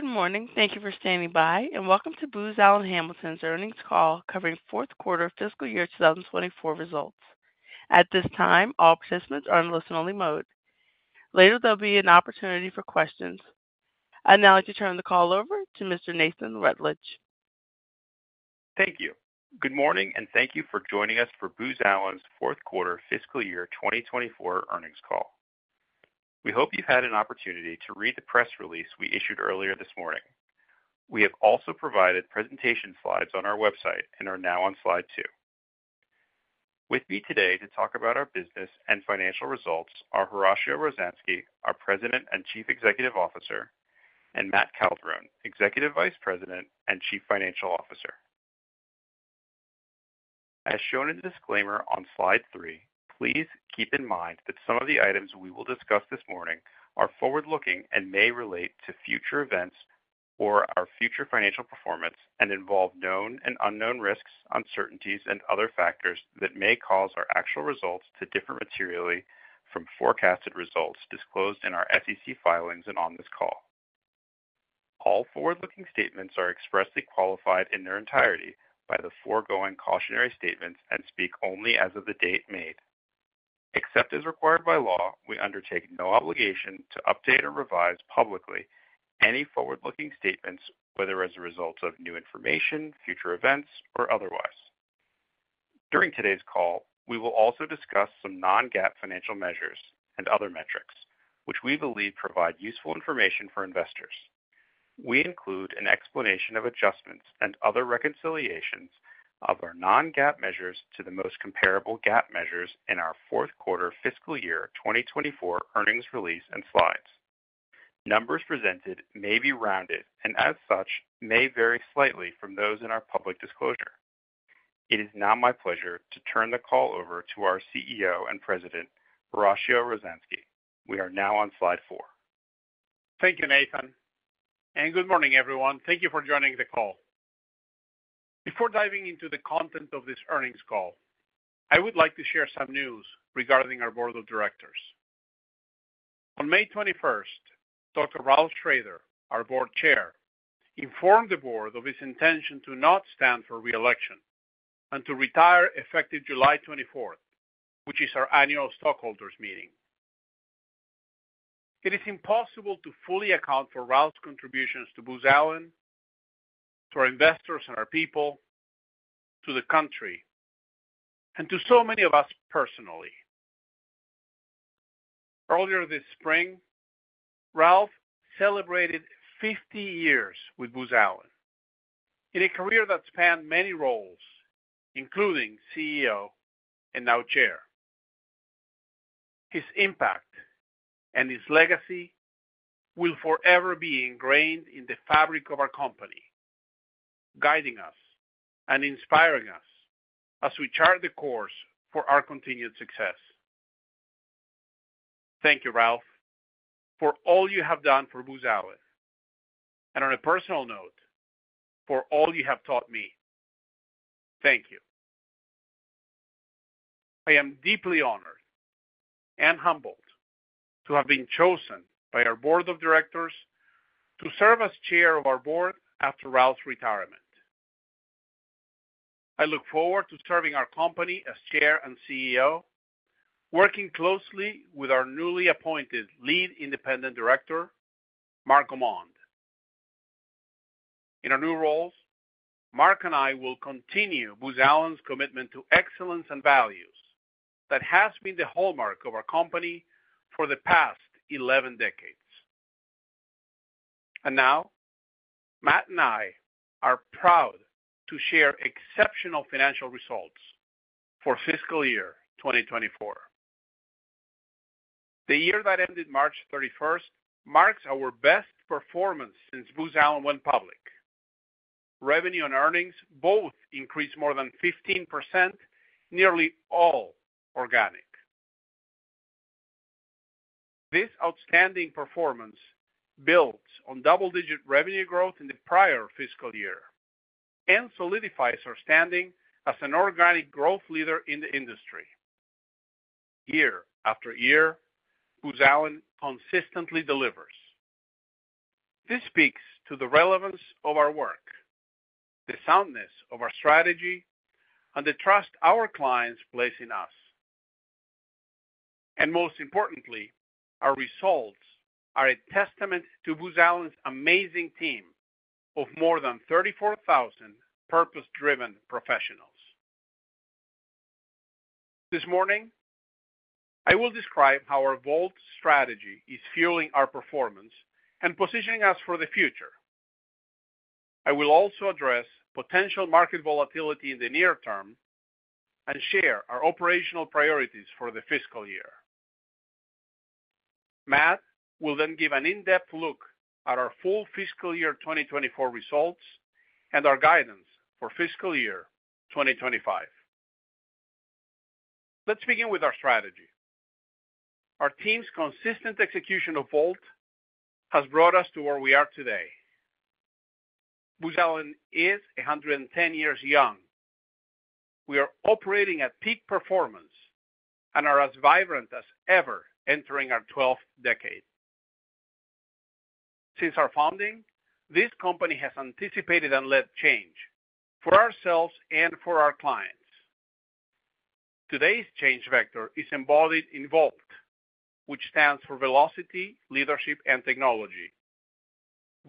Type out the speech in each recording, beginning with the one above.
Good morning! Thank you for standing by, and welcome to Booz Allen Hamilton's earnings call covering fourth quarter fiscal year 2024 results. At this time, all participants are in listen-only mode. Later, there'll be an opportunity for questions. I'd now like to turn the call over to Mr. Nathan Rutledge. Thank you. Good morning, and thank you for joining us for Booz Allen's fourth quarter fiscal year 2024 earnings call. We hope you've had an opportunity to read the press release we issued earlier this morning. We have also provided presentation slides on our website and are now on slide two. With me today to talk about our business and financial results are Horacio Rozanski, our President and Chief Executive Officer, and Matt Calderone, Executive Vice President and Chief Financial Officer. As shown in the disclaimer on slide three, please keep in mind that some of the items we will discuss this morning are forward-looking and may relate to future events or our future financial performance, and involve known and unknown risks, uncertainties, and other factors that may cause our actual results to differ materially from forecasted results disclosed in our SEC filings and on this call. All forward-looking statements are expressly qualified in their entirety by the foregoing cautionary statements and speak only as of the date made. Except as required by law, we undertake no obligation to update or revise publicly any forward-looking statements, whether as a result of new information, future events, or otherwise. During today's call, we will also discuss some non-GAAP financial measures and other metrics, which we believe provide useful information for investors. We include an explanation of adjustments and other reconciliations of our non-GAAP measures to the most comparable GAAP measures in our fourth quarter fiscal year 2024 earnings release and slides. Numbers presented may be rounded, and as such, may vary slightly from those in our public disclosure. It is now my pleasure to turn the call over to our CEO and President, Horacio Rozanski. We are now on slide four. Thank you, Nathan, and good morning, everyone. Thank you for joining the call. Before diving into the content of this earnings call, I would like to share some news regarding our board of directors. On May 21st, Dr. Ralph Shrader, our Board Chair, informed the board of his intention to not stand for re-election and to retire effective July 24th, which is our annual stockholders' meeting. It is impossible to fully account for Ralph's contributions to Booz Allen, to our investors and our people, to the country, and to so many of us personally. Earlier this spring, Ralph celebrated 50 years with Booz Allen in a career that spanned many roles, including CEO and now chair. His impact and his legacy will forever be ingrained in the fabric of our company, guiding us and inspiring us as we chart the course for our continued success. Thank you, Ralph, for all you have done for Booz Allen, and on a personal note, for all you have taught me. Thank you. I am deeply honored and humbled to have been chosen by our board of directors to serve as chair of our board after Ralph's retirement. I look forward to serving our company as chair and CEO, working closely with our newly appointed lead independent director, Mark Gaumond. In our new roles, Mark and I will continue Booz Allen's commitment to excellence and values that has been the hallmark of our company for the past eleven decades. And now, Matt and I are proud to share exceptional financial results for fiscal year 2024. The year that ended March 31st marks our best performance since Booz Allen went public. Revenue and earnings both increased more than 15%, nearly all organic. This outstanding performance builds on double-digit revenue growth in the prior fiscal year and solidifies our standing as an organic growth leader in the industry. Year-after-year, Booz Allen consistently delivers. This speaks to the relevance of our work, the soundness of our strategy, and the trust our clients place in us. And most importantly, our results are a testament to Booz Allen's amazing team of more than 34,000 purpose-driven professionals. This morning, I will describe how our VoLT strategy is fueling our performance and positioning us for the future. I will also address potential market volatility in the near term and share our operational priorities for the fiscal year. Matt will then give an in-depth look at our full fiscal year 2024 results and our guidance for fiscal year 2025. Let's begin with our strategy. Our team's consistent execution of VoLT has brought us to where we are today. Booz Allen is 110 years young. We are operating at peak performance and are as vibrant as ever entering our twelfth decade. Since our founding, this company has anticipated and led change for ourselves and for our clients. Today's change vector is embodied in VoLT, which stands for Velocity, Leadership, and Technology.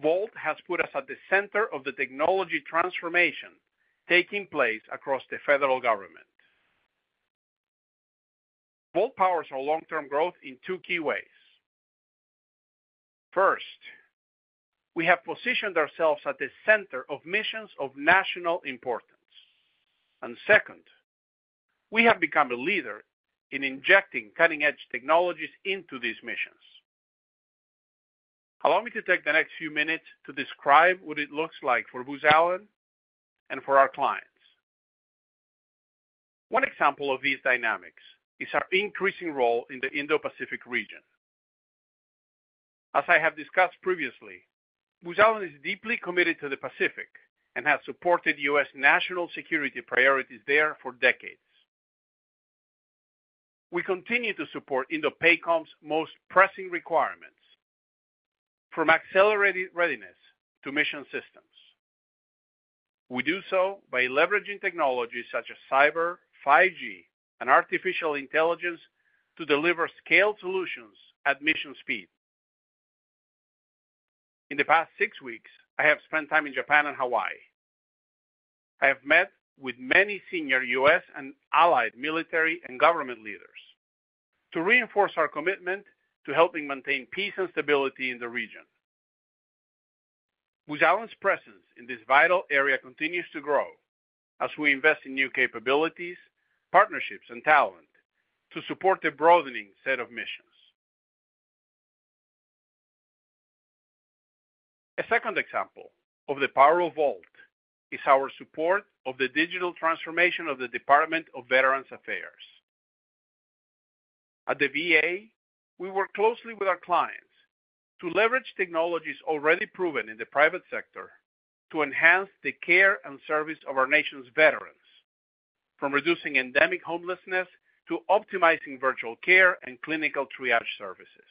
VoLT has put us at the center of the technology transformation taking place across the federal government. VoLT powers our long-term growth in two key ways. First, we have positioned ourselves at the center of missions of national importance. And second, we have become a leader in injecting cutting-edge technologies into these missions. Allow me to take the next few minutes to describe what it looks like for Booz Allen and for our clients. One example of these dynamics is our increasing role in the Indo-Pacific region. As I have discussed previously, Booz Allen is deeply committed to the Pacific and has supported U.S. national security priorities there for decades. We continue to support INDOPACOM's most pressing requirements, from accelerated readiness to mission systems. We do so by leveraging technologies such as cyber, 5G, and artificial intelligence to deliver scaled solutions at mission speed. In the past six weeks, I have spent time in Japan and Hawaii. I have met with many senior U.S. and allied military and government leaders to reinforce our commitment to helping maintain peace and stability in the region. Booz Allen's presence in this vital area continues to grow as we invest in new capabilities, partnerships, and talent to support a broadening set of missions. A second example of the power of VoLT is our support of the digital transformation of the Department of Veterans Affairs. At the VA, we work closely with our clients to leverage technologies already proven in the private sector to enhance the care and service of our nation's veterans, from reducing endemic homelessness to optimizing virtual care and clinical triage services.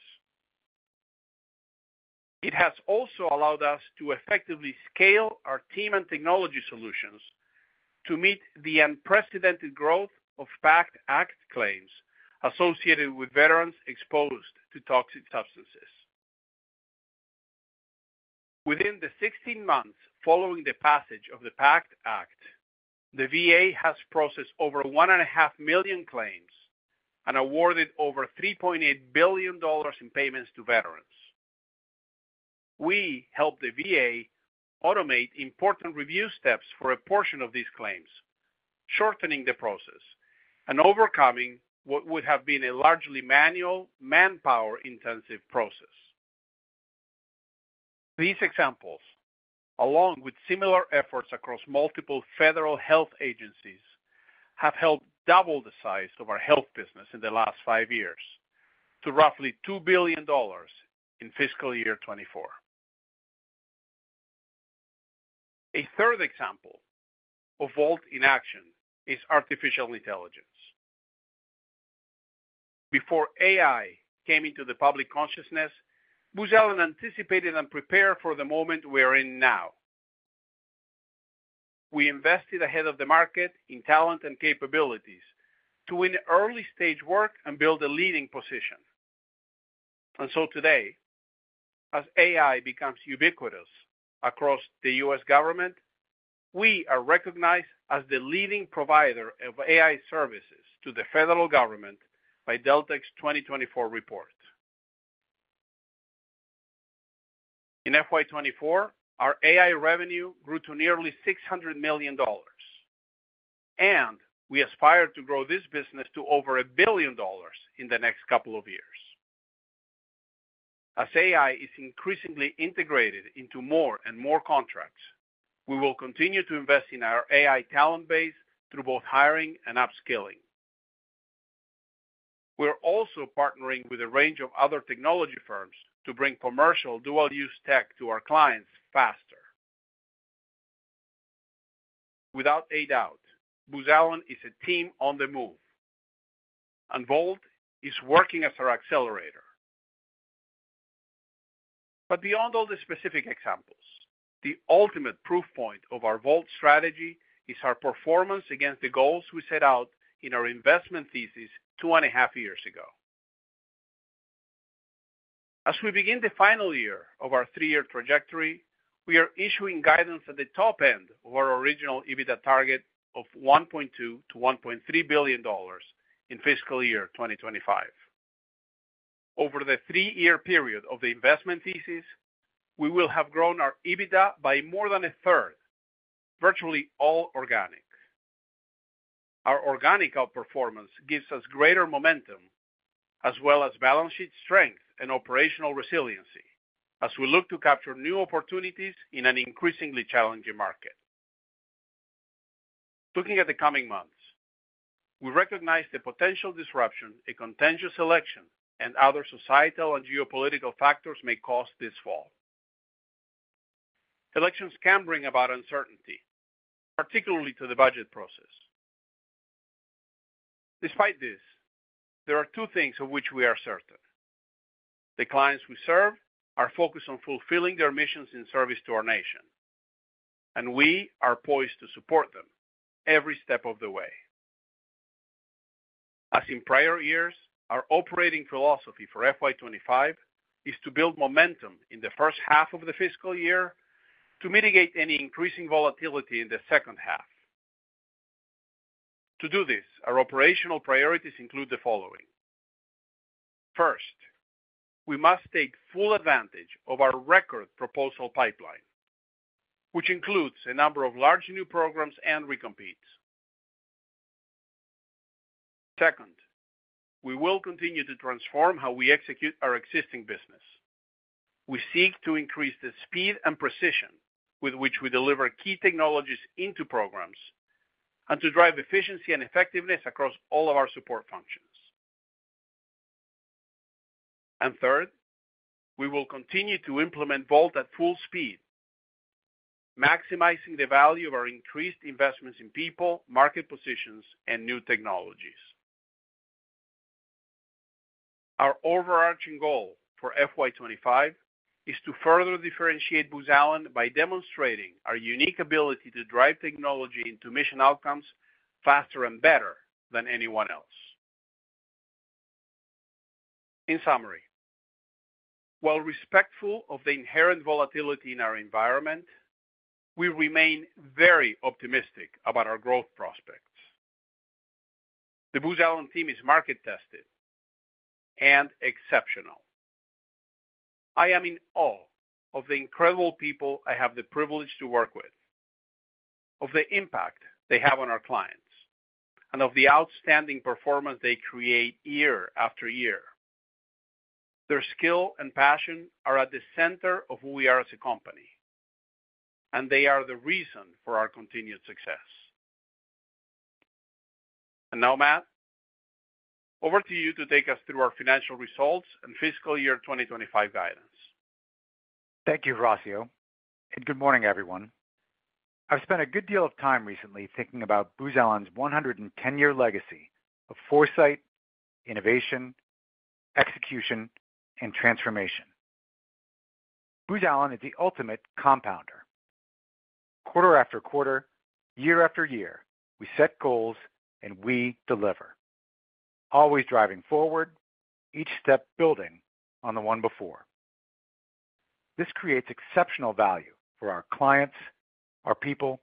It has also allowed us to effectively scale our team and technology solutions to meet the unprecedented growth of PACT Act claims associated with veterans exposed to toxic substances. Within the 16 months following the passage of the PACT Act, the VA has processed over 1.5 million claims and awarded over $3.8 billion in payments to veterans. We helped the VA automate important review steps for a portion of these claims, shortening the process and overcoming what would have been a largely manual, manpower-intensive process. These examples, along with similar efforts across multiple federal health agencies, have helped double the size of our health business in the last 5 years to roughly $2 billion in fiscal year 2024. A third example of VoLT in action is artificial intelligence. Before AI came into the public consciousness, Booz Allen anticipated and prepared for the moment we are in now. We invested ahead of the market in talent and capabilities to win early-stage work and build a leading position. And so today, as AI becomes ubiquitous across the U.S. government, we are recognized as the leading provider of AI services to the federal government by Deltek's 2024 report. In FY 2024, our AI revenue grew to nearly $600 million, and we aspire to grow this business to over $1 billion in the next couple of years. As AI is increasingly integrated into more and more contracts, we will continue to invest in our AI talent base through both hiring and upskilling. We're also partnering with a range of other technology firms to bring commercial dual-use tech to our clients faster. Without a doubt, Booz Allen is a team on the move, and VoLT is working as our accelerator. But beyond all the specific examples, the ultimate proof point of our VoLT strategy is our performance against the goals we set out in our investment thesis two and a half years ago. As we begin the final year of our 3-year trajectory, we are issuing guidance at the top end of our original EBITDA target of $1.2 billion-$1.3 billion in fiscal year 2025. Over the 3-year period of the investment thesis, we will have grown our EBITDA by more than a third, virtually all organic. Our organic outperformance gives us greater momentum as well as balance sheet strength and operational resiliency as we look to capture new opportunities in an increasingly challenging market. Looking at the coming months, we recognize the potential disruption, a contentious election, and other societal and geopolitical factors may cause this fall. Elections can bring about uncertainty, particularly to the budget process. Despite this, there are two things of which we are certain: the clients we serve are focused on fulfilling their missions in service to our nation, and we are poised to support them every step of the way. As in prior years, our operating philosophy for FY 2025 is to build momentum in the first half of the fiscal year to mitigate any increasing volatility in the second half. To do this, our operational priorities include the following: First, we must take full advantage of our record proposal pipeline, which includes a number of large new programs and recompetes. Second, we will continue to transform how we execute our existing business. We seek to increase the speed and precision with which we deliver key technologies into programs and to drive efficiency and effectiveness across all of our support functions. Third, we will continue to implement VoLT at full speed, maximizing the value of our increased investments in people, market positions, and new technologies. Our overarching goal for FY 2025 is to further differentiate Booz Allen by demonstrating our unique ability to drive technology into mission outcomes faster and better than anyone else. In summary, while respectful of the inherent volatility in our environment, we remain very optimistic about our growth prospects. The Booz Allen team is market-tested and exceptional. I am in awe of the incredible people I have the privilege to work with, of the impact they have on our clients, and of the outstanding performance they create year after year. Their skill and passion are at the center of who we are as a company, and they are the reason for our continued success. And now, Matt, over to you to take us through our financial results and fiscal year 2025 guidance. Thank you, Horacio, and good morning, everyone. I've spent a good deal of time recently thinking about Booz Allen's 110-year legacy of foresight, innovation, execution, and transformation. Booz Allen is the ultimate compounder. Quarter-after-quarter, year-after-year, we set goals, and we deliver, always driving forward, each step building on the one before. This creates exceptional value for our clients, our people,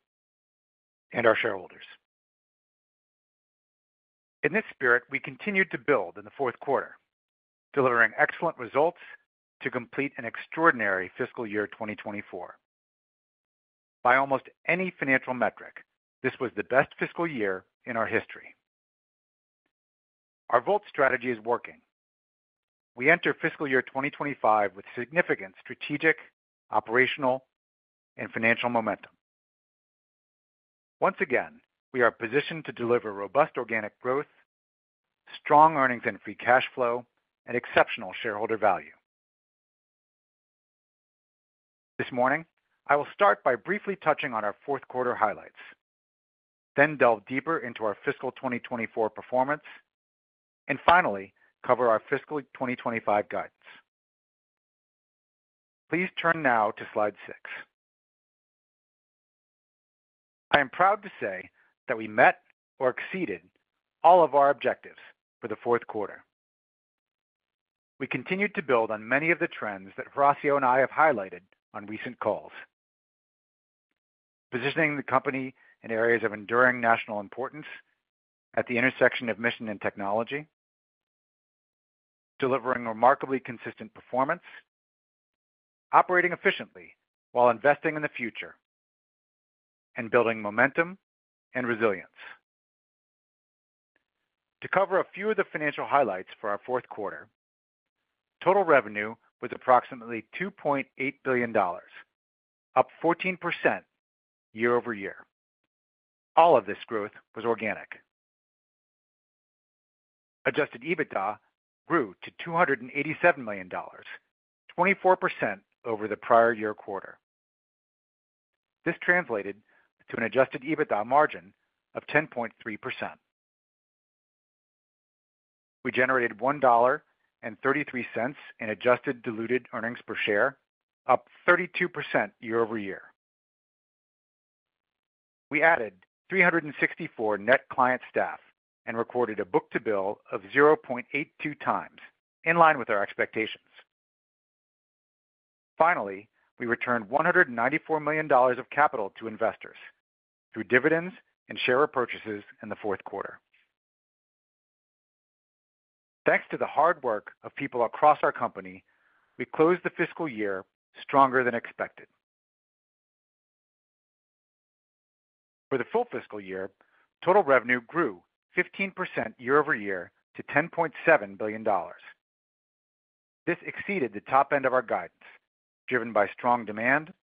and our shareholders. In this spirit, we continued to build in the fourth quarter, delivering excellent results to complete an extraordinary fiscal year 2024. By almost any financial metric, this was the best fiscal year in our history. Our VoLT strategy is working. We enter fiscal year 2025 with significant strategic, operational, and financial momentum. Once again, we are positioned to deliver robust organic growth, strong earnings and free cash flow, and exceptional shareholder value. This morning, I will start by briefly touching on our fourth quarter highlights, then delve deeper into our fiscal 2024 performance, and finally, cover our fiscal 2025 guidance. Please turn now to slide six. I am proud to say that we met or exceeded all of our objectives for the fourth quarter. We continued to build on many of the trends that Horacio and I have highlighted on recent calls, positioning the company in areas of enduring national importance at the intersection of mission and technology, delivering remarkably consistent performance, operating efficiently while investing in the future, and building momentum and resilience. To cover a few of the financial highlights for our fourth quarter, total revenue was approximately $2.8 billion, up 14% year-over-year. All of this growth was organic. Adjusted EBITDA grew to $287 million, 24% over the prior year quarter. This translated to an adjusted EBITDA margin of 10.3%. We generated $1.33 in adjusted diluted earnings per share, up 32% year-over-year. We added 364 net client staff and recorded a book-to-bill of 0.82x, in line with our expectations. Finally, we returned $194 million of capital to investors through dividends and share repurchases in the fourth quarter. Thanks to the hard work of people across our company, we closed the fiscal year stronger than expected. For the full fiscal year, total revenue grew 15% year-over-year to $10.7 billion. This exceeded the top end of our guidance, driven by strong demand,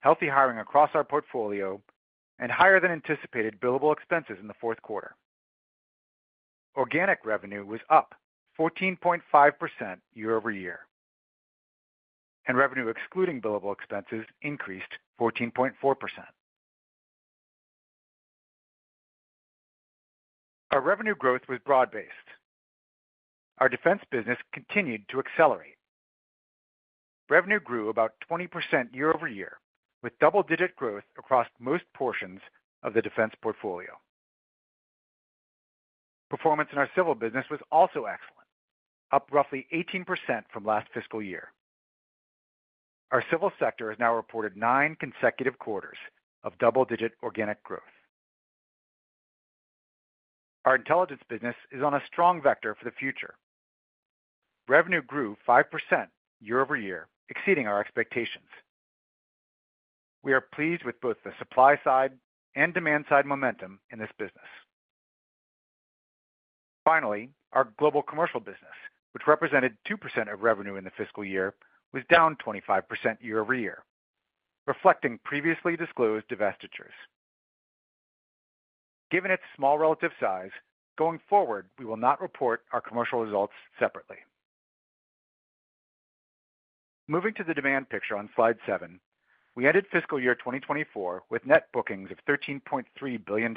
healthy hiring across our portfolio, and higher than anticipated billable expenses in the fourth quarter. Organic revenue was up 14.5% year-over-year, and revenue excluding billable expenses increased 14.4%. Our revenue growth was broad-based. Our defense business continued to accelerate. Revenue grew about 20% year-over-year, with double-digit growth across most portions of the defense portfolio. Performance in our civil business was also excellent, up roughly 18% from last fiscal year. Our civil sector has now reported nine consecutive quarters of double-digit organic growth. Our intelligence business is on a strong vector for the future. Revenue grew 5% year-over-year, exceeding our expectations. We are pleased with both the supply side and demand side momentum in this business. Finally, our global commercial business, which represented 2% of revenue in the fiscal year, was down 25% year-over-year, reflecting previously disclosed divestitures. Given its small relative size, going forward, we will not report our commercial results separately. Moving to the demand picture on slide seven, we ended fiscal year 2024 with net bookings of $13.3 billion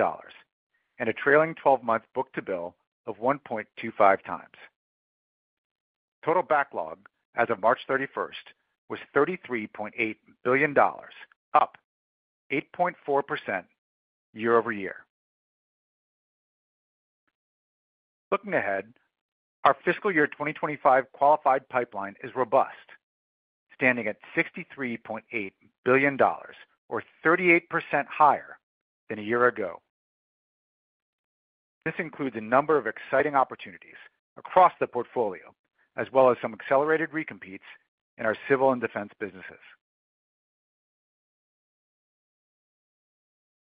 and a trailing 12-month book-to-bill of 1.25x. Total backlog as of March 31st was $33.8 billion, up 8.4% year-over-year. Looking ahead, our fiscal year 2025 qualified pipeline is robust, standing at $63.8 billion or 38% higher than a year ago. This includes a number of exciting opportunities across the portfolio, as well as some accelerated recompetes in our civil and defense businesses.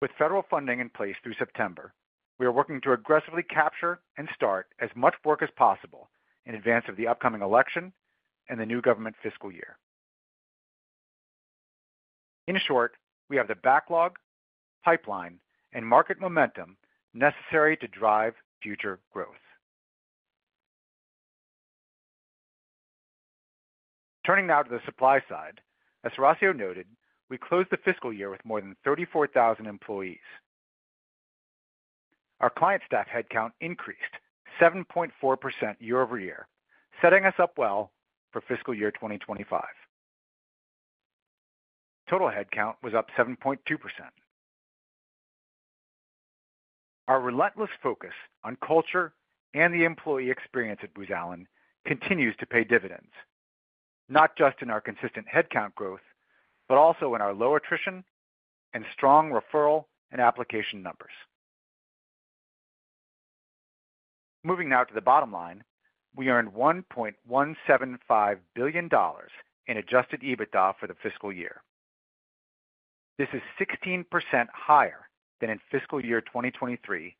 With federal funding in place through September, we are working to aggressively capture and start as much work as possible in advance of the upcoming election and the new government fiscal year. In short, we have the backlog, pipeline, and market momentum necessary to drive future growth. Turning now to the supply side. As Horacio noted, we closed the fiscal year with more than 34,000 employees. Our client staff headcount increased 7.4% year-over-year, setting us up well for fiscal year 2025. Total headcount was up 7.2%. Our relentless focus on culture and the employee experience at Booz Allen continues to pay dividends, not just in our consistent headcount growth, but also in our low attrition and strong referral and application numbers. Moving now to the bottom line, we earned $1.175 billion in adjusted EBITDA for the fiscal year. This is 16% higher than in fiscal year 2023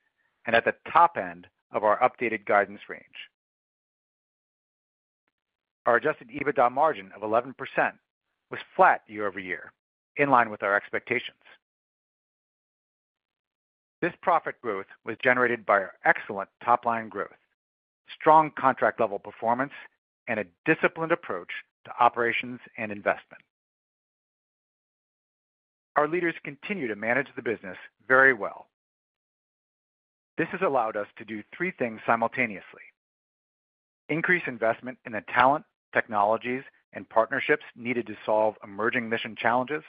and at the top end of our updated guidance range. Our adjusted EBITDA margin of 11% was flat year-over-year, in line with our expectations. This profit growth was generated by our excellent top-line growth, strong contract level performance, and a disciplined approach to operations and investment. Our leaders continue to manage the business very well. This has allowed us to do three things simultaneously: increase investment in the talent, technologies, and partnerships needed to solve emerging mission challenges,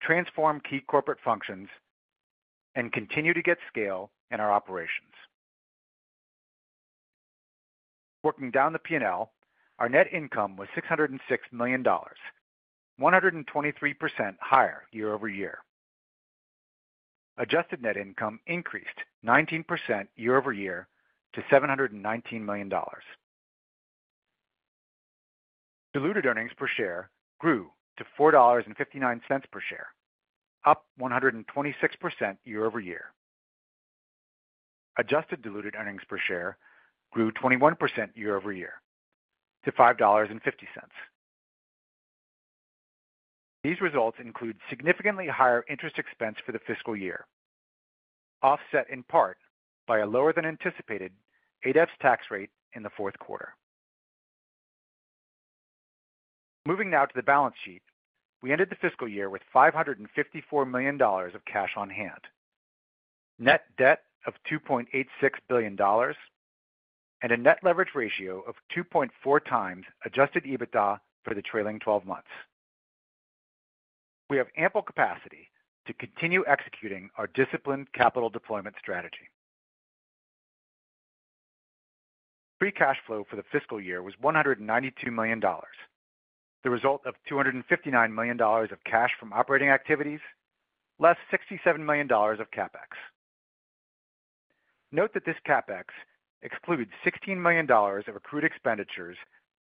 transform key corporate functions, and continue to get scale in our operations. Working down the P&L, our net income was $606 million, 123% higher year-over-year. Adjusted net income increased 19% year-over-year to $719 million. Diluted earnings per share grew to $4.59 per share, up 126% year-over-year. Adjusted diluted earnings per share grew 21% year-over-year to $5.50. These results include significantly higher interest expense for the fiscal year, offset in part by a lower than anticipated adjusted tax rate in the fourth quarter. Moving now to the balance sheet. We ended the fiscal year with $554 million of cash on hand, net debt of $2.86 billion, and a net leverage ratio of 2.4x adjusted EBITDA for the trailing twelve months. We have ample capacity to continue executing our disciplined capital deployment strategy. Free cash flow for the fiscal year was $192 million, the result of $259 million of cash from operating activities, less $67 million of CapEx. Note that this CapEx excludes $16 million of accrued expenditures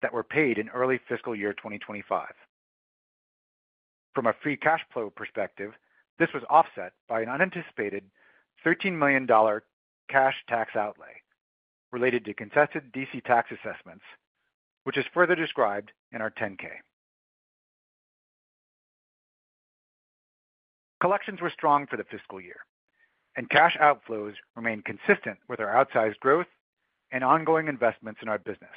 that were paid in early fiscal year 2025. From a free cash flow perspective, this was offset by an unanticipated $13 million dollar cash tax outlay related to contested D.C. tax assessments, which is further described in our Form 10-K. Collections were strong for the fiscal year, and cash outflows remained consistent with our outsized growth and ongoing investments in our business.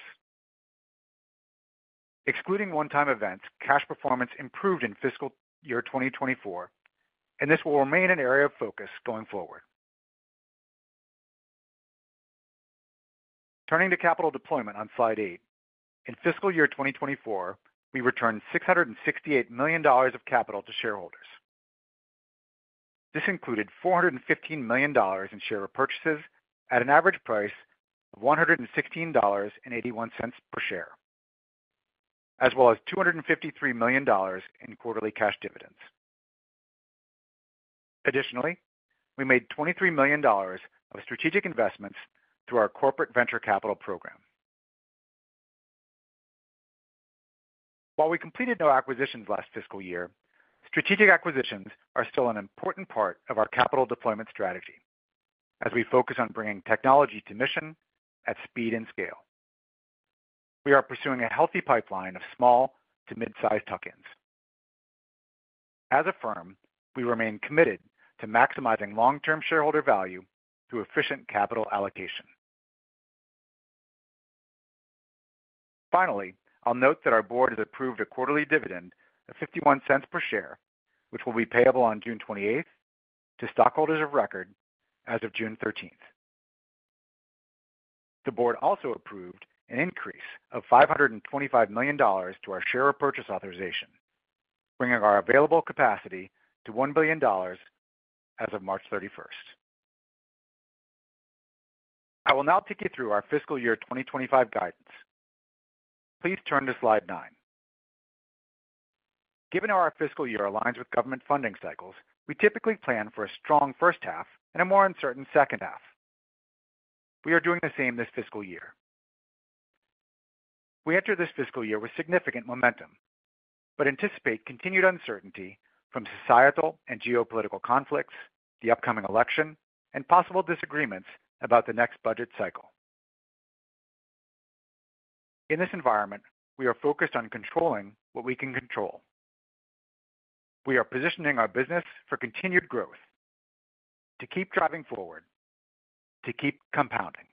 Excluding one-time events, cash performance improved in fiscal year 2024, and this will remain an area of focus going forward. Turning to capital deployment on slide eight. In fiscal year 2024, we returned $668 million of capital to shareholders. This included $415 million in share repurchases at an average price of $116.81 per share, as well as $253 million in quarterly cash dividends. Additionally, we made $23 million of strategic investments through our corporate venture capital program. While we completed no acquisitions last fiscal year, strategic acquisitions are still an important part of our capital deployment strategy as we focus on bringing technology to mission at speed and scale. We are pursuing a healthy pipeline of small- to mid-size tuck-ins. As a firm, we remain committed to maximizing long-term shareholder value through efficient capital allocation. Finally, I'll note that our board has approved a quarterly dividend of $0.51 per share, which will be payable on June 28th to stockholders of record as of June 13th. The board also approved an increase of $525 million to our share purchase authorization, bringing our available capacity to $1 billion as of March 31st. I will now take you through our fiscal year 2025 guidance. Please turn to slide nine. Given how our fiscal year aligns with government funding cycles, we typically plan for a strong first half and a more uncertain second half. We are doing the same this fiscal year. We enter this fiscal year with significant momentum, but anticipate continued uncertainty from societal and geopolitical conflicts, the upcoming election, and possible disagreements about the next budget cycle. In this environment, we are focused on controlling what we can control. We are positioning our business for continued growth, to keep driving forward, to keep compounding.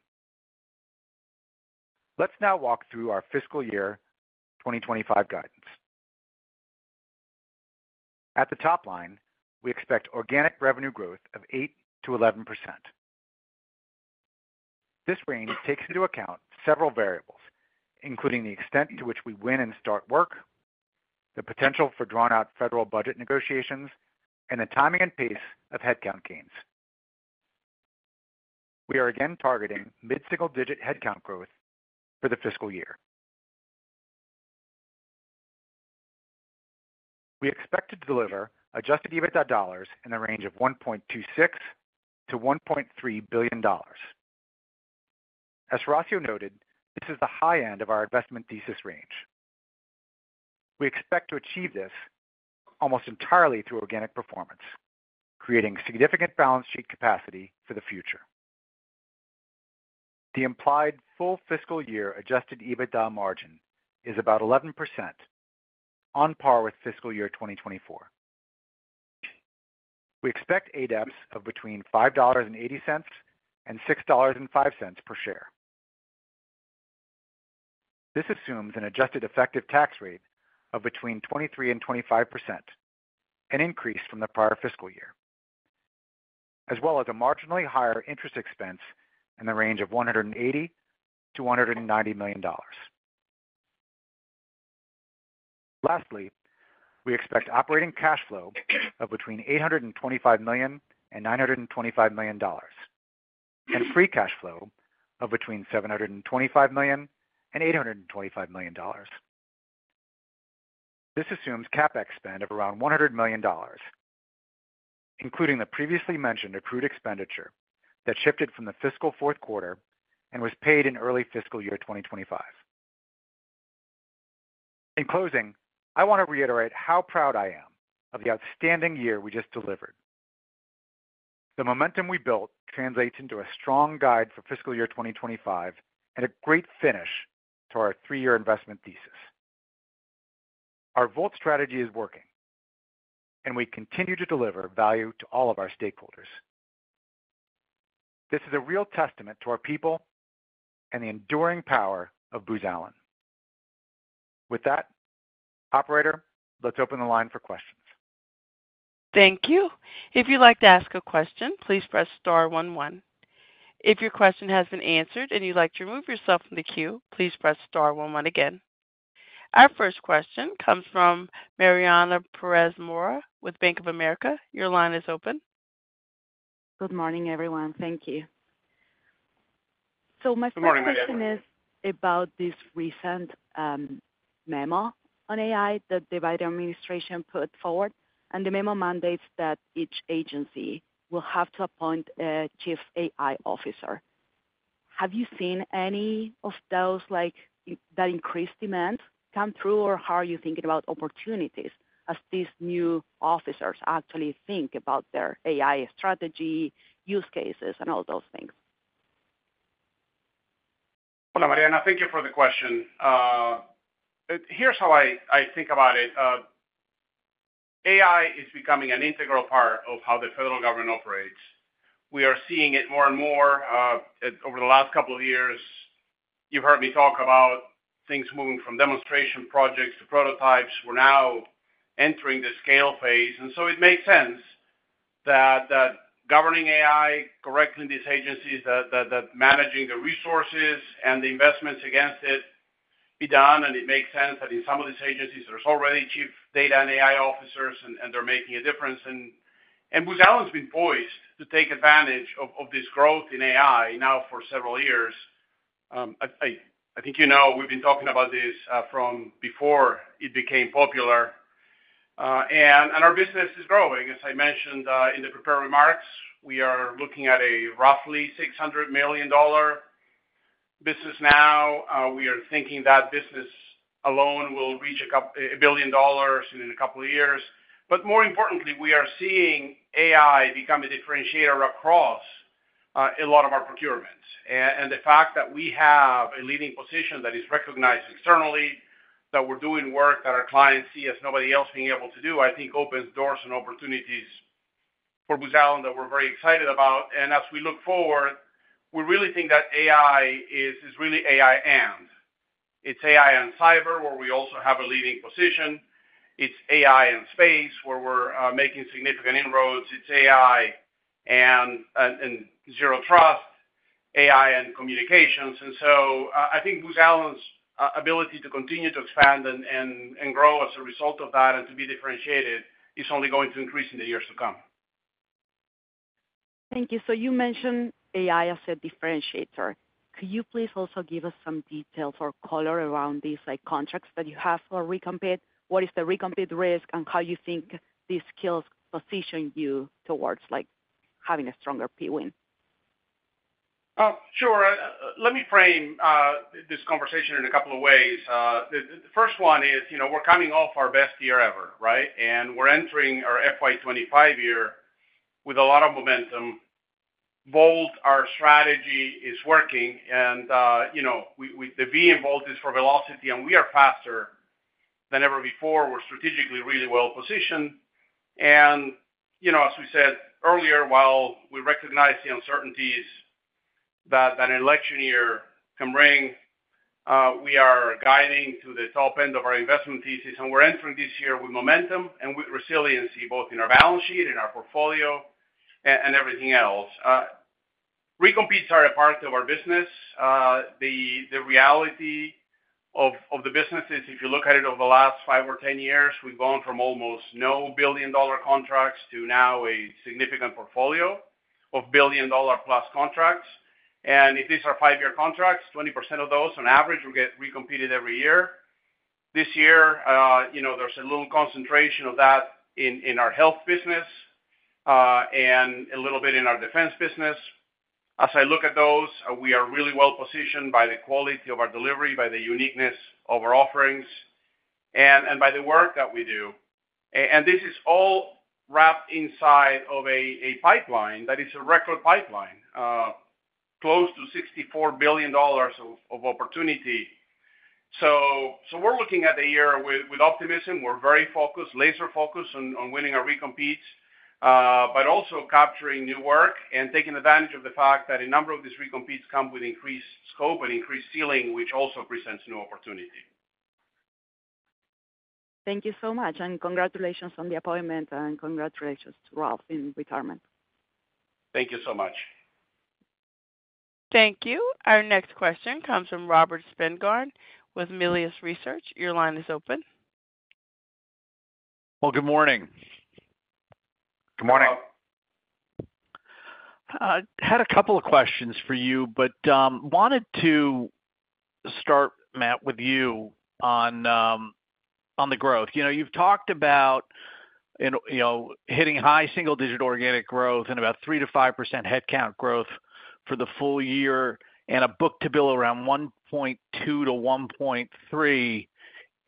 Let's now walk through our fiscal year 2025 guidance. At the top line, we expect organic revenue growth of 8%-11%. This range takes into account several variables, including the extent to which we win and start work, the potential for drawn-out federal budget negotiations, and the timing and pace of headcount gains. We are again targeting mid-single-digit headcount growth for the fiscal year. We expect to deliver adjusted EBITDA dollars in the range of $1.26 billion-$1.3 billion. As Horacio noted, this is the high end of our investment thesis range. We expect to achieve this almost entirely through organic performance, creating significant balance sheet capacity for the future. The implied full fiscal year adjusted EBITDA margin is about 11%, on par with fiscal year 2024. We expect ADEPS of between $5.80 and $6.05 per share. This assumes an adjusted effective tax rate of between 23% and 25%, an increase from the prior fiscal year, as well as a marginally higher interest expense in the range of $180 million-$190 million. Lastly, we expect operating cash flow of between $825 million and $925 million, and free cash flow of between $725 million and $825 million. This assumes CapEx spend of around $100 million, including the previously mentioned accrued expenditure that shifted from the fiscal fourth quarter and was paid in early fiscal year 2025. In closing, I want to reiterate how proud I am of the outstanding year we just delivered. The momentum we built translates into a strong guide for fiscal year 2025 and a great finish to our three-year investment thesis. Our VoLT strategy is working, and we continue to deliver value to all of our stakeholders. This is a real testament to our people and the enduring power of Booz Allen. With that, operator, let's open the line for questions. Thank you. If you'd like to ask a question, please press star one one. If your question has been answered and you'd like to remove yourself from the queue, please press star one one again. Our first question comes from Mariana Perez Mora with Bank of America. Your line is open. Good morning, everyone. Thank you. My first question is about this recent memo on AI that the Biden administration put forward, and the memo mandates that each agency will have to appoint a chief AI officer. Have you seen any of those, like, that increased demand come through? Or how are you thinking about opportunities as these new officers actually think about their AI strategy, use cases, and all those things? Hola, Mariana. Thank you for the question. Here's how I think about it. AI is becoming an integral part of how the federal government operates. We are seeing it more and more over the last couple of years. You've heard me talk about things moving from demonstration projects to prototypes. We're now entering the scale phase, and so it makes sense that governing AI correctly in these agencies, managing the resources and the investments against it be done. And it makes sense that in some of these agencies, there's already chief data and AI officers, and they're making a difference. And Booz Allen's been poised to take advantage of this growth in AI now for several years. I think, you know, we've been talking about this from before it became popular. And our business is growing. As I mentioned, in the prepared remarks, we are looking at a roughly $600 million business now. We are thinking that business alone will reach a $1 billion in a couple of years. But more importantly, we are seeing AI become a differentiator across a lot of our procurements. And the fact that we have a leading position that is recognized externally, that we're doing work that our clients see as nobody else being able to do, I think opens doors and opportunities for Booz Allen that we're very excited about. And as we look forward, we really think that AI is really AI and. It's AI and cyber, where we also have a leading position. It's AI and space, where we're making significant inroads. It's AI and zero trust, AI and communications. And so I think Booz Allen's ability to continue to expand and grow as a result of that and to be differentiated is only going to increase in the years to come. Thank you. So you mentioned AI as a differentiator. Could you please also give us some details or color around these, like, contracts that you have for recompete? What is the recompete risk and how you think these skills position you towards, like, having a stronger Pwin? Sure. Let me frame this conversation in a couple of ways. The first one is, you know, we're coming off our best year ever, right? And we're entering our FY 2025 year with a lot of momentum. Both our strategy is working and, you know, the V in VoLT is for velocity, and we are faster than ever before. We're strategically really well positioned. And, you know, as we said earlier, while we recognize the uncertainties that an election year can bring, we are guiding to the top end of our investment thesis, and we're entering this year with momentum and with resiliency, both in our balance sheet, in our portfolio, and everything else. Recompetes are a part of our business. The reality of the business is, if you look at it over the last five or 10 years, we've gone from almost no billion-dollar contracts to now a significant portfolio of billion-dollar-plus contracts. And if these are 5-year contracts, 20% of those, on average, will get recompeted every year. This year, you know, there's a little concentration of that in our health business, and a little bit in our defense business. As I look at those, we are really well-positioned by the quality of our delivery, by the uniqueness of our offerings, and by the work that we do. And this is all wrapped inside of a pipeline that is a record pipeline, close to $64 billion of opportunity. So we're looking at the year with optimism. We're very focused, laser focused on winning our recompetes, but also capturing new work and taking advantage of the fact that a number of these recompetes come with increased scope and increased ceiling, which also presents new opportunity. Thank you so much, and congratulations on the appointment, and congratulations to Ralph in retirement. Thank you so much. Thank you. Our next question comes from Robert Spingarn with Melius Research. Your line is open. Well, good morning. Good morning. Had a couple of questions for you, but wanted to start, Matt, with you on the growth. You know, you've talked about, and you know, hitting high single-digit organic growth and about 3%-5% headcount growth for the full year, and a book-to-bill around 1.2-1.3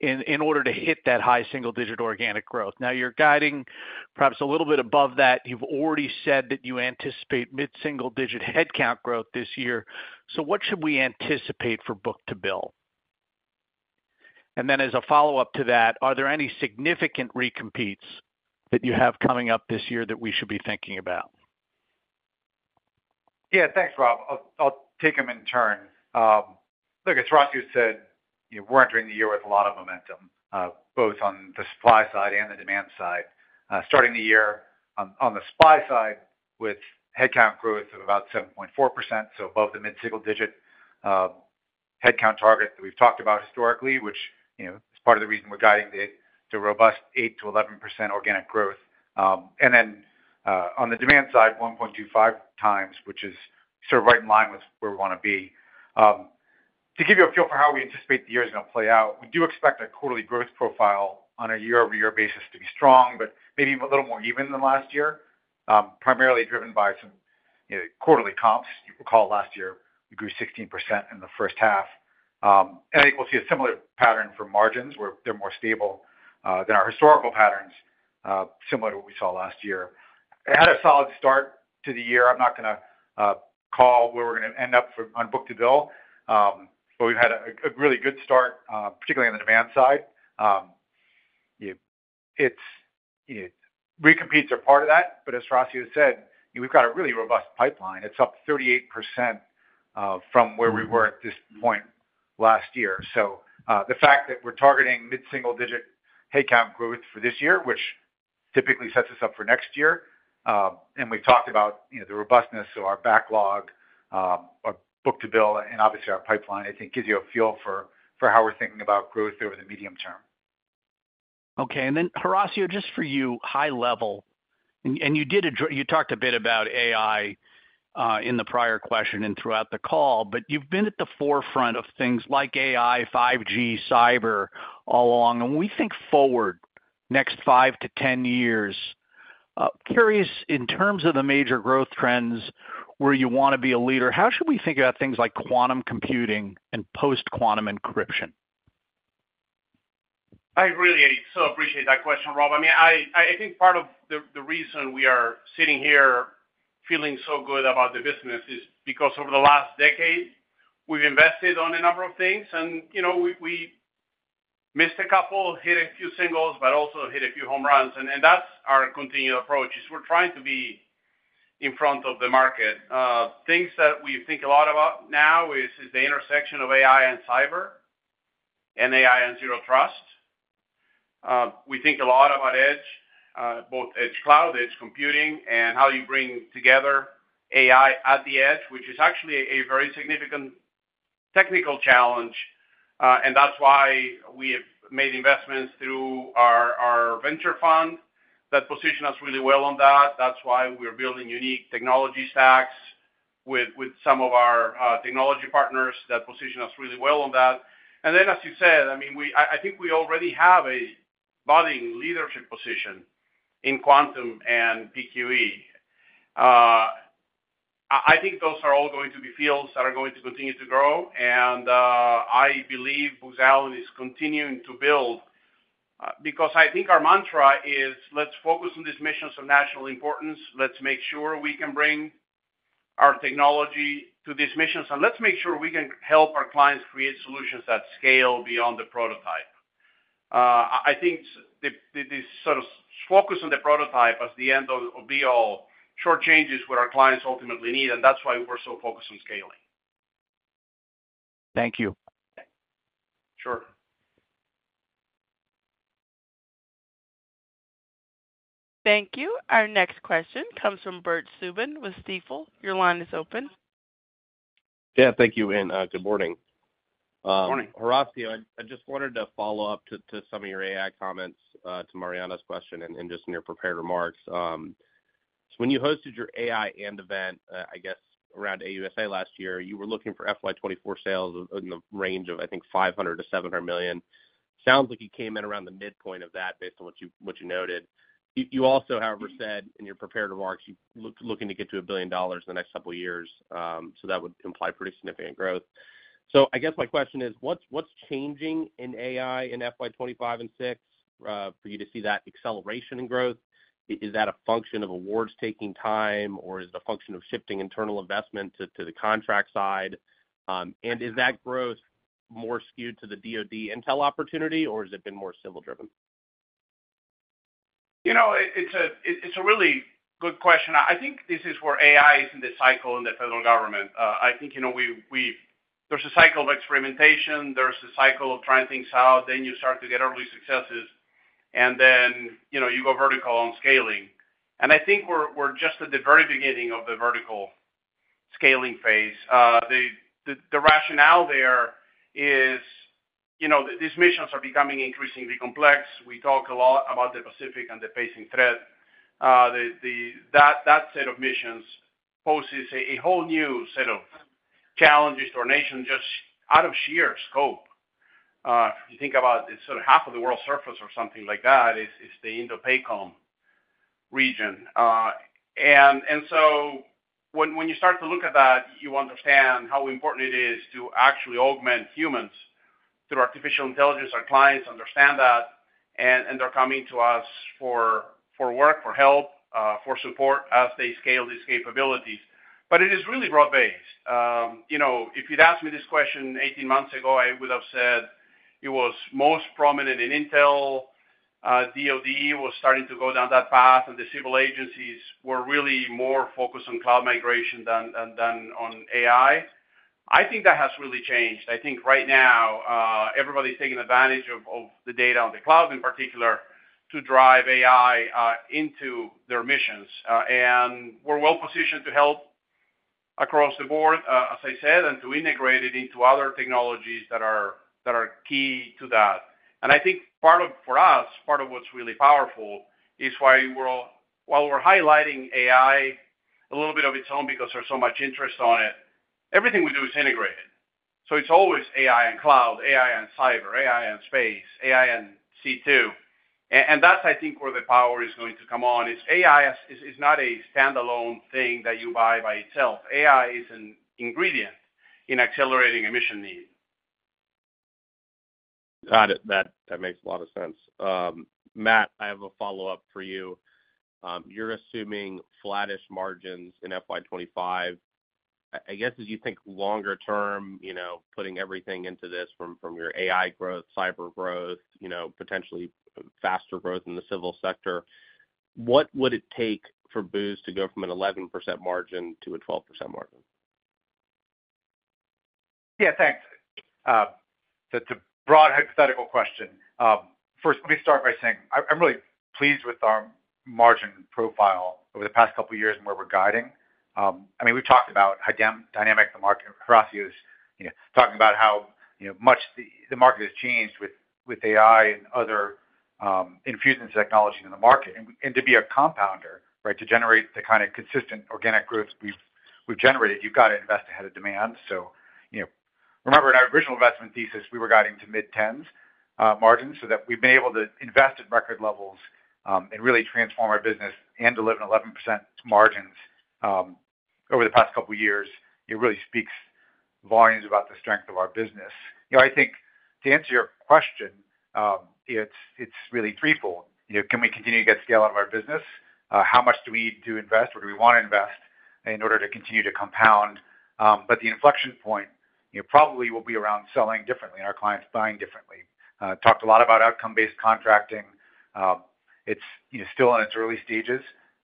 in order to hit that high single-digit organic growth. Now, you're guiding perhaps a little bit above that. You've already said that you anticipate mid-single-digit headcount growth this year. So what should we anticipate for book-to-bill? And then as a follow-up to that, are there any significant recompetes that you have coming up this year that we should be thinking about? Yeah, thanks, Rob. I'll take them in turn. Look, as Raso said, we're entering the year with a lot of momentum, both on the supply side and the demand side. Starting the year on the supply side, with headcount growth of about 7.4%, so above the mid-single digit headcount target that we've talked about historically, which, you know, is part of the reason we're guiding to robust 8%-11% organic growth. And then, on the demand side, 1.25x, which is sort of right in line with where we wanna be. To give you a feel for how we anticipate the year is gonna play out, we do expect a quarterly growth profile on a year-over-year basis to be strong, but maybe even a little more even than last year, primarily driven by some, you know, quarterly comps. You recall last year, we grew 16% in the first half. And I think we'll see a similar pattern for margins, where they're more stable than our historical patterns, similar to what we saw last year. It had a solid start to the year. I'm not gonna call where we're gonna end up on book to bill. But we've had a really good start, particularly on the demand side. It's, you know, recompetes are part of that, but as Horacio said, we've got a really robust pipeline. It's up 38% from where we were at this point last year. So, the fact that we're targeting mid-single digit head count growth for this year, which typically sets us up for next year, and we've talked about, you know, the robustness of our backlog, our book to bill, and obviously, our pipeline, I think gives you a feel for how we're thinking about growth over the medium term. Okay, and then Horacio, just for you, high level, and, and you did address—you talked a bit about AI in the prior question and throughout the call, but you've been at the forefront of things like AI, 5G, cyber, all along. And when we think forward, next five to 10 years, curious, in terms of the major growth trends where you want to be a leader, how should we think about things like quantum computing and post-quantum encryption? I really so appreciate that question, Rob. I mean, I think part of the reason we are sitting here feeling so good about the business is because over the last decade, we've invested on a number of things, and, you know, we missed a couple, hit a few singles, but also hit a few home runs. And that's our continued approach, is we're trying to be in front of the market. Things that we think a lot about now is the intersection of AI and cyber, and AI and zero trust. We think a lot about Edge, both Edge cloud, Edge computing, and how you bring together AI at the Edge, which is actually a very significant technical challenge. And that's why we have made investments through our venture fund, that position us really well on that. That's why we're building unique technology stacks with some of our technology partners that position us really well on that. And then, as you said, I mean, I think we already have a budding leadership position in quantum and PQE. I think those are all going to be fields that are going to continue to grow, and I believe Booz Allen is continuing to build because I think our mantra is, let's focus on these missions of national importance. Let's make sure we can bring our technology to these missions, and let's make sure we can help our clients create solutions that scale beyond the prototype. I think the sort of focus on the prototype as the end-all-be-all sure changes what our clients ultimately need, and that's why we're so focused on scaling. Thank you. Sure. Thank you. Our next question comes from Bert Subin with Stifel. Your line is open. Yeah, thank you, and good morning. Morning. Horacio, I just wanted to follow up to some of your AI comments to Mariana's question and just in your prepared remarks. So when you hosted your AI and event, I guess around AUSA last year, you were looking for FY 2024 sales in the range of, I think, $500 million-$700 million. Sounds like you came in around the midpoint of that, based on what you noted. You also, however, said in your prepared remarks, you looking to get to $1 billion in the next couple of years, so that would imply pretty significant growth. So I guess my question is: What's changing in AI in FY 2025 and 2026 for you to see that acceleration in growth? Is that a function of awards taking time, or is the function of shifting internal investment to the contract side? And is that growth more skewed to the DoD Intel opportunity, or has it been more civil driven? You know, it's a really good question. I think this is where AI is in the cycle in the federal government. I think, you know, there's a cycle of experimentation, there's a cycle of trying things out, then you start to get early successes, and then, you know, you go vertical on scaling. And I think we're just at the very beginning of the vertical scaling phase. The rationale there is, you know, these missions are becoming increasingly complex. We talk a lot about the Pacific and the pacing threat. That set of missions poses a whole new set of challenges to our nation, just out of sheer scope. If you think about it, sort of, half of the world's surface or something like that is the INDOPACOM region. And so when you start to look at that, you understand how important it is to actually augment humans through artificial intelligence. Our clients understand that, and they're coming to us for work, for help, for support as they scale these capabilities. But it is really broad-based. You know, if you'd asked me this question 18 months ago, I would have said it was most prominent in Intel. DoD was starting to go down that path, and the civil agencies were really more focused on cloud migration than on AI. I think that has really changed. I think right now, everybody's taking advantage of the data on the cloud, in particular, to drive AI into their missions. and we're well positioned to help across the board, as I said, and to integrate it into other technologies that are key to that. And I think part of, for us, part of what's really powerful is while we're highlighting AI a little bit of its own because there's so much interest on it. Everything we do is integrated, so it's always AI and cloud, AI and cyber, AI and space, AI and C2. And that's, I think, where the power is going to come on, is AI is not a standalone thing that you buy by itself. AI is an ingredient in accelerating a mission need. Got it. That makes a lot of sense. Matt, I have a follow-up for you. You're assuming flattish margins in FY 2025. I guess, as you think longer term, you know, putting everything into this from your AI growth, cyber growth, you know, potentially faster growth in the civil sector, what would it take for Booz to go from an 11% margin to a 12% margin? Yeah, thanks. That's a broad hypothetical question. First, let me start by saying, I'm really pleased with our margin profile over the past couple of years and where we're guiding. I mean, we've talked about how dynamic the market is. Horacio was, you know, talking about how, you know, much the market has changed with AI and other infusions of technology in the market. And to be a compounder, right, to generate the kind of consistent organic growth we've generated, you've got to invest ahead of demand. So, you know, remember, in our original investment thesis, we were guiding to mid-tens margins, so that we've been able to invest at record levels and really transform our business and deliver 11% margins over the past couple of years. It really speaks volumes about the strength of our business. You know, I think to answer your question, it's really threefold. You know, can we continue to get scale out of our business? How much do we need to invest, or do we wanna invest in order to continue to compound? But the inflection point, you know, probably will be around selling differently and our clients buying differently. Talked a lot about outcome-based contracting. It's, you know, still in its early stages.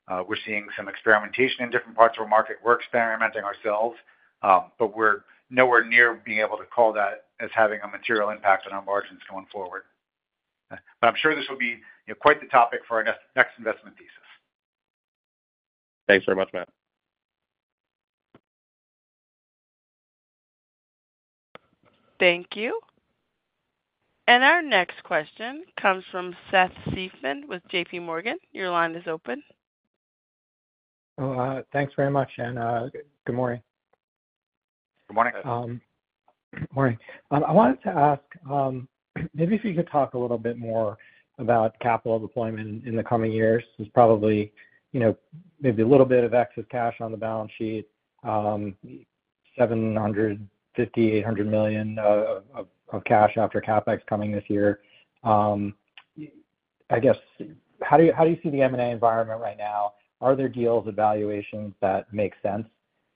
We're seeing some experimentation in different parts of our market. We're experimenting ourselves, but we're nowhere near being able to call that as having a material impact on our margins going forward. But I'm sure this will be, you know, quite the topic for our next investment thesis. Thanks very much, Matt. Thank you. Our next question comes from Seth Seifman with JPMorgan. Your line is open. Thanks very much, and good morning. Good morning. Morning. I wanted to ask, maybe if you could talk a little bit more about capital deployment in the coming years. There's probably, you know, maybe a little bit of excess cash on the balance sheet, $750 million-$800 million of cash after CapEx coming this year. I guess, how do you see the M&A environment right now? Are there deal evaluations that make sense?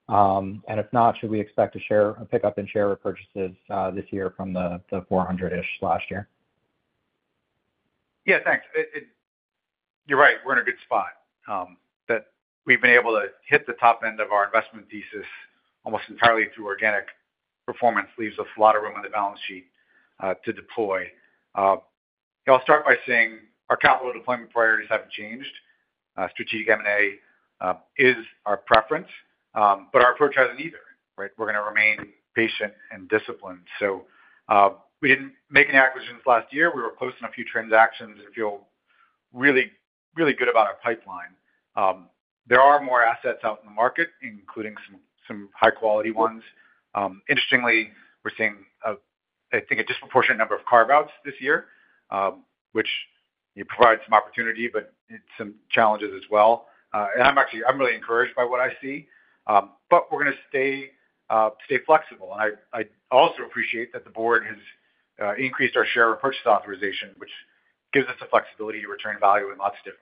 And if not, should we expect a pickup in share repurchases this year from the 400-ish last year? Yeah, thanks. You're right. We're in a good spot that we've been able to hit the top end of our investment thesis almost entirely through organic performance, leaves us a lot of room on the balance sheet to deploy. I'll start by saying our capital deployment priorities haven't changed. Strategic M&A is our preference, but our approach hasn't either, right? We're gonna remain patient and disciplined. So, we didn't make any acquisitions last year. We were closing a few transactions and feel really, really good about our pipeline. There are more assets out in the market, including some high quality ones. Interestingly, we're seeing, I think, a disproportionate number of carve-outs this year, which it provides some opportunity, but some challenges as well. I'm actually, I'm really encouraged by what I see, but we're gonna stay flexible. I also appreciate that the board has increased our share purchase authorization, which gives us the flexibility to return value in lots of different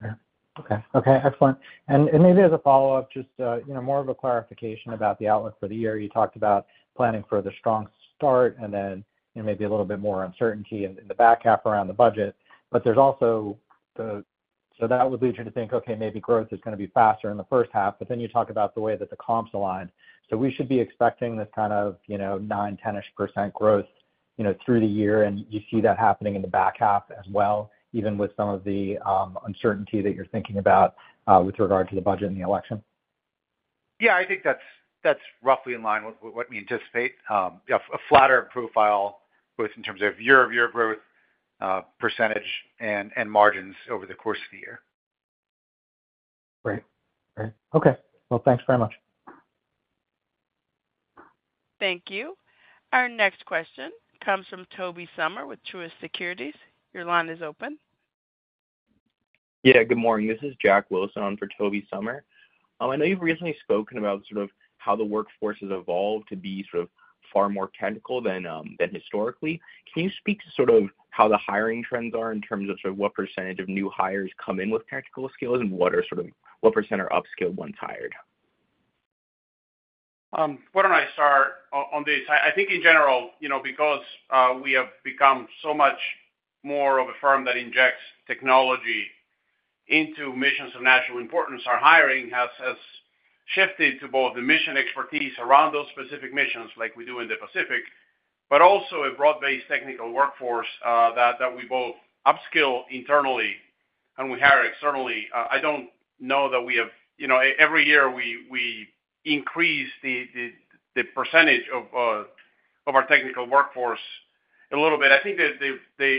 ways. Yeah. Okay. Okay, excellent. And maybe as a follow-up, just, you know, more of a clarification about the outlook for the year. You talked about planning for the strong start and then, you know, maybe a little bit more uncertainty in the back half around the budget. But there's also. So that would lead you to think, okay, maybe growth is gonna be faster in the first half, but then you talk about the way that the comps align. So we should be expecting this kind of, you know, 9%, 10-ish% growth, you know, through the year, and you see that happening in the back half as well, even with some of the, uncertainty that you're thinking about, with regard to the budget and the election? Yeah, I think that's roughly in line with what we anticipate. Yeah, a flatter profile, both in terms of year-over-year growth, percentage and margins over the course of the year. Great. Great. Okay, well, thanks very much. Thank you. Our next question comes from Toby Sommer with Truist Securities. Your line is open. Yeah, good morning. This is Jack Wilson on for Toby Sommer. I know you've recently spoken about sort of how the workforce has evolved to be sort of far more technical than, than historically. Can you speak to sort of how the hiring trends are in terms of sort of what percentage of new hires come in with technical skills, and what percent are upskilled once hired? Why don't I start on this? I think in general, you know, because we have become so much more of a firm that injects technology into missions of national importance, our hiring has shifted to both the mission expertise around those specific missions, like we do in the Pacific, but also a broad-based technical workforce that we both upskill internally and we hire externally. I don't know that we have. You know, every year, we increase the percentage of our technical workforce a little bit. I think that the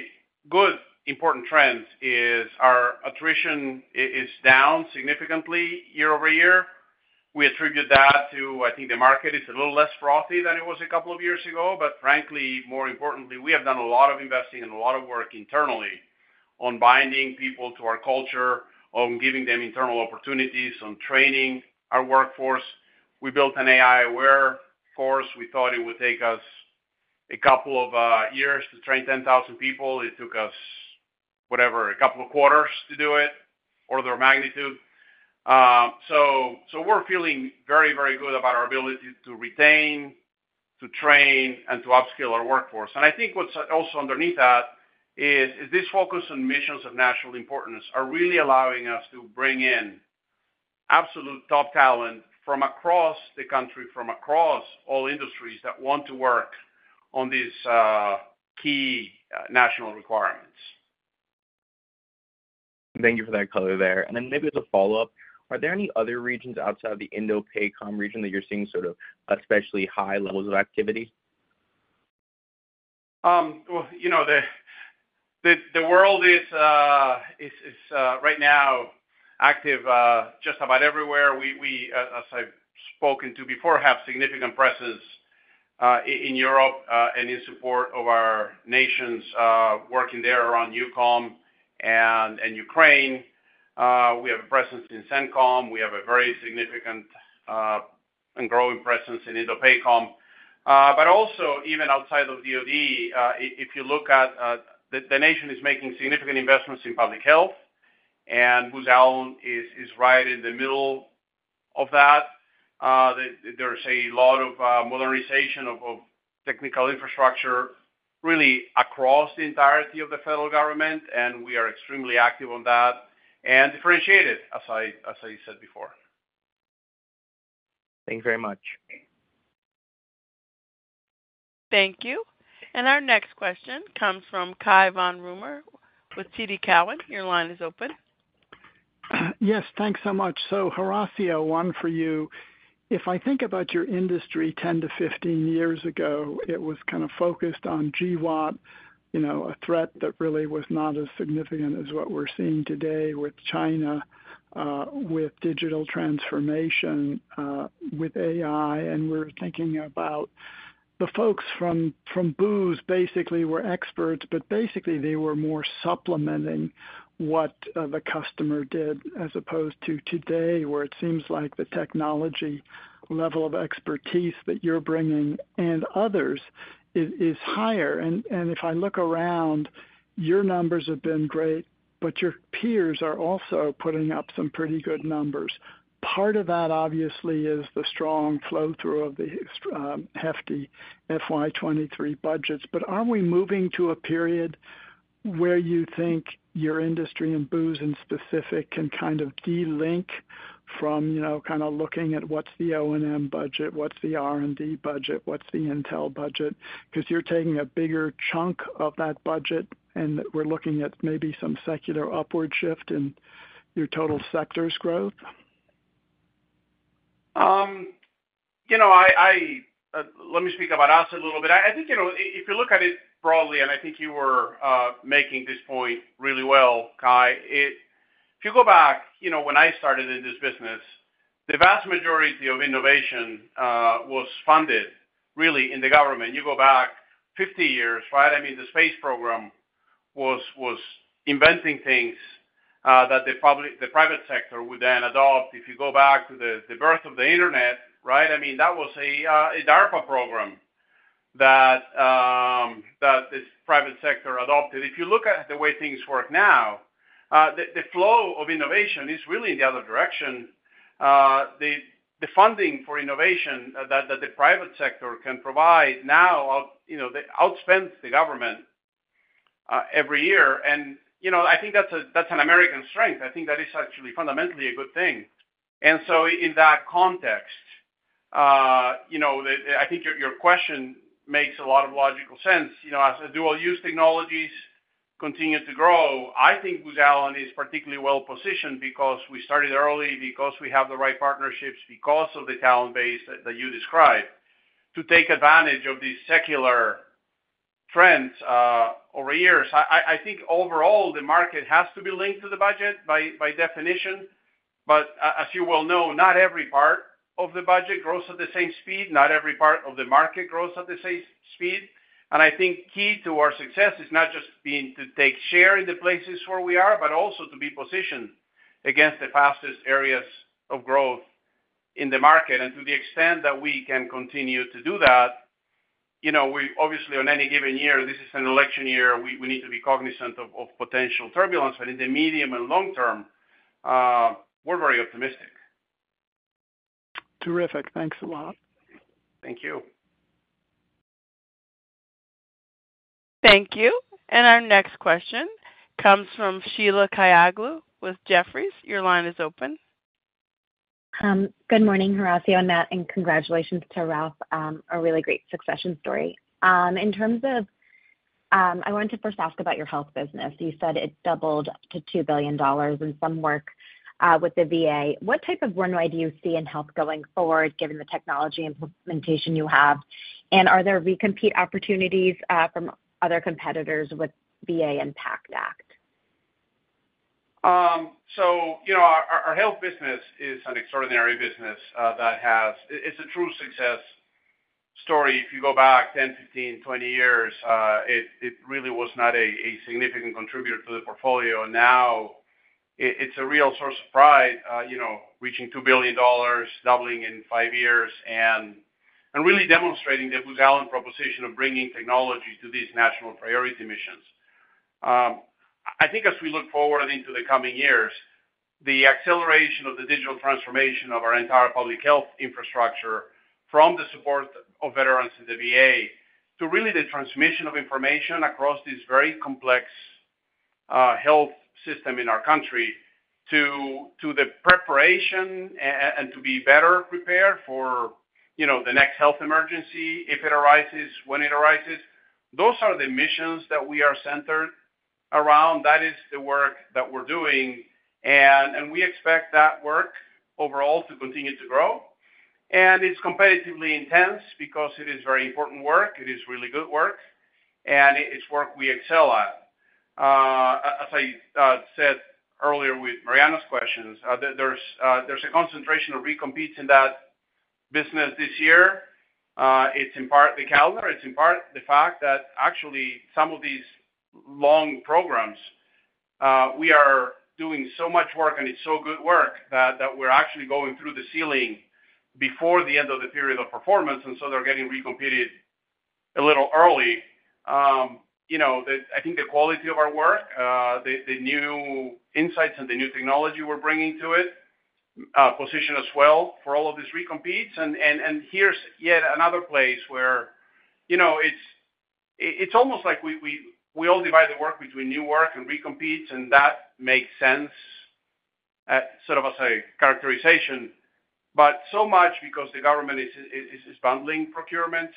good important trend is our attrition is down significantly year-over-year. We attribute that to, I think, the market is a little less frothy than it was a couple of years ago. But frankly, more importantly, we have done a lot of investing and a lot of work internally on binding people to our culture, on giving them internal opportunities, on training our workforce. We built an AI aware force. We thought it would take us a couple of years to train 10,000 people. It took us, whatever, a couple of quarters to do it, order of magnitude. So, so we're feeling very, very good about our ability to retain, to train, and to upskill our workforce. And I think what's also underneath that is this focus on missions of national importance are really allowing us to bring in absolute top talent from across the country, from across all industries that want to work on these key national requirements. Thank you for that color there. And then maybe as a follow-up, are there any other regions outside of the INDOPACOM region that you're seeing sort of especially high levels of activity? Well, you know, the world is right now active just about everywhere. As I've spoken to before, we have significant presence in Europe and in support of our nations working there around EUCOM and Ukraine. We have a presence in CENTCOM. We have a very significant and growing presence in INDOPACOM. But also even outside of DoD, if you look at the nation is making significant investments in public health, and Booz Allen is right in the middle of that. There's a lot of modernization of technical infrastructure, really across the entirety of the federal government, and we are extremely active on that and differentiated, as I said before. Thank you very much. Thank you. Our next question comes from Cai von Rumohr with TD Cowen. Your line is open. Yes, thanks so much. So, Horacio, one for you. If I think about your industry 10-15 years ago, it was kind of focused on GWOT you know, a threat that really was not as significant as what we're seeing today with China, with digital transformation, with AI. And we're thinking about the folks from, from Booz basically were experts, but basically they were more supplementing what, the customer did, as opposed to today, where it seems like the technology level of expertise that you're bringing and others is, is higher. And, and if I look around, your numbers have been great, but your peers are also putting up some pretty good numbers. Part of that, obviously, is the strong flow-through of the, hefty FY 2023 budgets. But aren't we moving to a period where you think your industry and Booz in specific, can kind of delink from, you know, kind of looking at what's the O&M budget, what's the R&D budget, what's the intel budget? 'Cause you're taking a bigger chunk of that budget, and we're looking at maybe some secular upward shift in your total sector's growth. You know, let me speak about us a little bit. I think, you know, if you look at it broadly, and I think you were making this point really well, Cai. If you go back, you know, when I started in this business, the vast majority of innovation was funded really in the government. You go back 50 years, right? I mean, the space program was inventing things that the public, the private sector would then adopt. If you go back to the birth of the internet, right? I mean, that was a DARPA program that this private sector adopted. If you look at the way things work now, the flow of innovation is really in the other direction. The funding for innovation that the private sector can provide now, you know, they outspend the government every year. And, you know, I think that's an American strength. I think that is actually fundamentally a good thing. And so in that context, you know, I think your question makes a lot of logical sense. You know, as the dual use technologies continue to grow, I think Booz Allen is particularly well positioned because we started early, because we have the right partnerships, because of the talent base that you described, to take advantage of these secular trends over years. I think overall, the market has to be linked to the budget by definition. But as you well know, not every part of the budget grows at the same speed, not every part of the market grows at the same speed. And I think key to our success is not just being to take share in the places where we are, but also to be positioned against the fastest areas of growth in the market. And to the extent that we can continue to do that, you know, we obviously, on any given year, this is an election year, we need to be cognizant of potential turbulence. But in the medium and long term, we're very optimistic. Terrific. Thanks a lot. Thank you. Thank you. Our next question comes from Sheila Kahyaoglu with Jefferies. Your line is open. Good morning, Horacio and Matt, and congratulations to Ralph, a really great succession story. In terms of- I wanted to first ask about your health business. You said it doubled up to $2 billion and some work with the VA. What type of runway do you see in health going forward, given the technology implementation you have? And are there recompete opportunities from other competitors with VA and PACT Act? So, you know, our health business is an extraordinary business that has... It's a true success story. If you go back 10 years, 15 years, 20 years, it really was not a significant contributor to the portfolio. And now, it's a real source of pride, you know, reaching $2 billion, doubling in 5 years, and really demonstrating the Booz Allen proposition of bringing technology to these national priority missions. I think as we look forward into the coming years, the acceleration of the digital transformation of our entire public health infrastructure, from the support of veterans in the VA, to really the transmission of information across this very complex health system in our country, to the preparation and to be better prepared for, you know, the next health emergency, if it arises, when it arises, those are the missions that we are centered around. That is the work that we're doing, and we expect that work overall to continue to grow. It's competitively intense because it is very important work, it is really good work, and it's work we excel at. As I said earlier with Mariana's questions, there's a concentration of recompetes in that business this year. It's in part the calendar, it's in part the fact that actually some of these long programs, we are doing so much work, and it's so good work that we're actually going through the ceiling before the end of the period of performance, and so they're getting recompeted a little early. You know, I think the quality of our work, the new insights and the new technology we're bringing to it, position us well for all of these recompetes. And here's yet another place where, you know, it's almost like we all divide the work between new work and recompetes, and that makes sense, sort of as a characterization. But so much because the government is bundling procurements,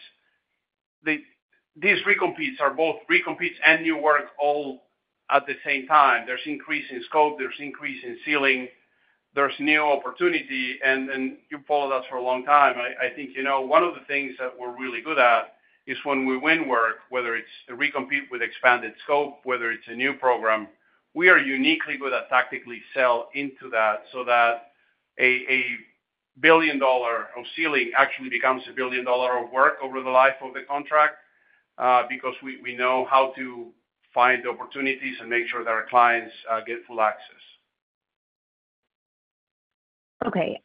these recompetes are both recompetes and new work all at the same time. There's increase in scope, there's increase in ceiling, there's new opportunity, and you've followed us for a long time. I think you know, one of the things that we're really good at is when we win work, whether it's a recompete with expanded scope, whether it's a new program, we are uniquely good at tactically sell into that, so that a billion dollar of ceiling actually becomes a $1 billion of work over the life of the contract, because we know how to find the opportunities and make sure that our clients get full access. Okay,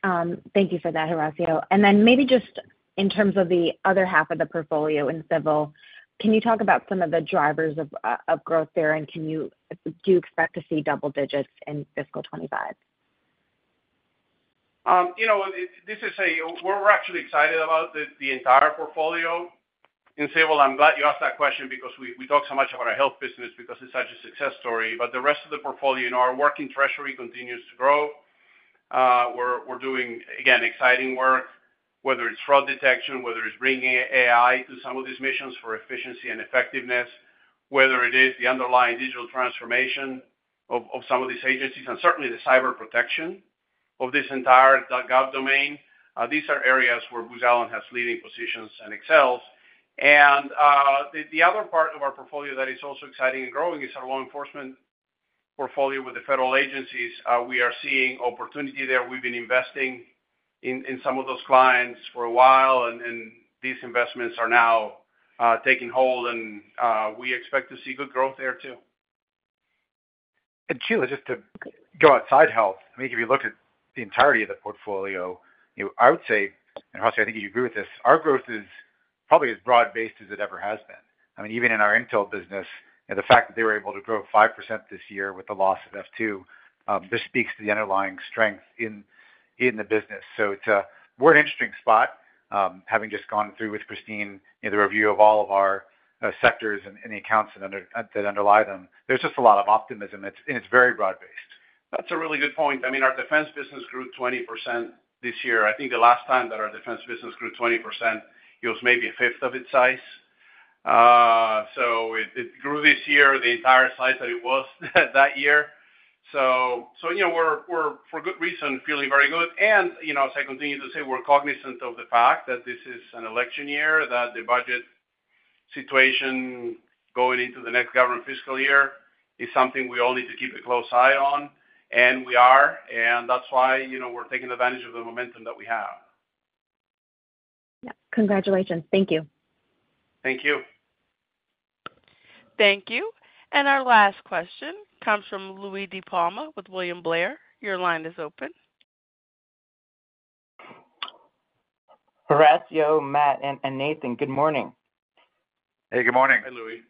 thank you for that, Horacio. And then maybe just in terms of the other half of the portfolio in civil, can you talk about some of the drivers of growth there? And do you expect to see double digits in fiscal 2025? You know, we're actually excited about the entire portfolio. In civil, I'm glad you asked that question because we talk so much about our health business because it's such a success story. But the rest of the portfolio and our work in Treasury continues to grow. We're doing, again, exciting work, whether it's fraud detection, whether it's bringing AI to some of these missions for efficiency and effectiveness, whether it is the underlying digital transformation of some of these agencies, and certainly the cyber protection of this entire .gov domain. These are areas where Booz Allen has leading positions and excels. The other part of our portfolio that is also exciting and growing is our law enforcement portfolio with the federal agencies. We are seeing opportunity there. We've been investing in some of those clients for a while, and these investments are now taking hold, and we expect to see good growth there too. And Sheila, just to go outside health, I mean, if you look at the entirety of the portfolio, you know, I would say, and Horacio, I think you agree with this, our growth is probably as broad-based as it ever has been. I mean, even in our intel business, and the fact that they were able to grow 5% this year with the loss of F2, this speaks to the underlying strength in the business. So we're in an interesting spot, having just gone through with Kristine, you know, the review of all of our sectors and the accounts that underlie them. There's just a lot of optimism, and it's very broad-based. That's a really good point. I mean, our defense business grew 20% this year. I think the last time that our defense business grew 20%, it was maybe a fifth of its size. So it grew this year, the entire size that it was that year. So, you know, we're for good reason, feeling very good. And, you know, as I continue to say, we're cognizant of the fact that this is an election year, that the budget situation going into the next government fiscal year is something we all need to keep a close eye on, and we are. And that's why, you know, we're taking advantage of the momentum that we have. Yeah. Congratulations. Thank you. Thank you. Thank you. Our last question comes from Louie DiPalma with William Blair. Your line is open. Horacio, Matt, and Nathan, good morning. Hey, good morning. Hi, Louie.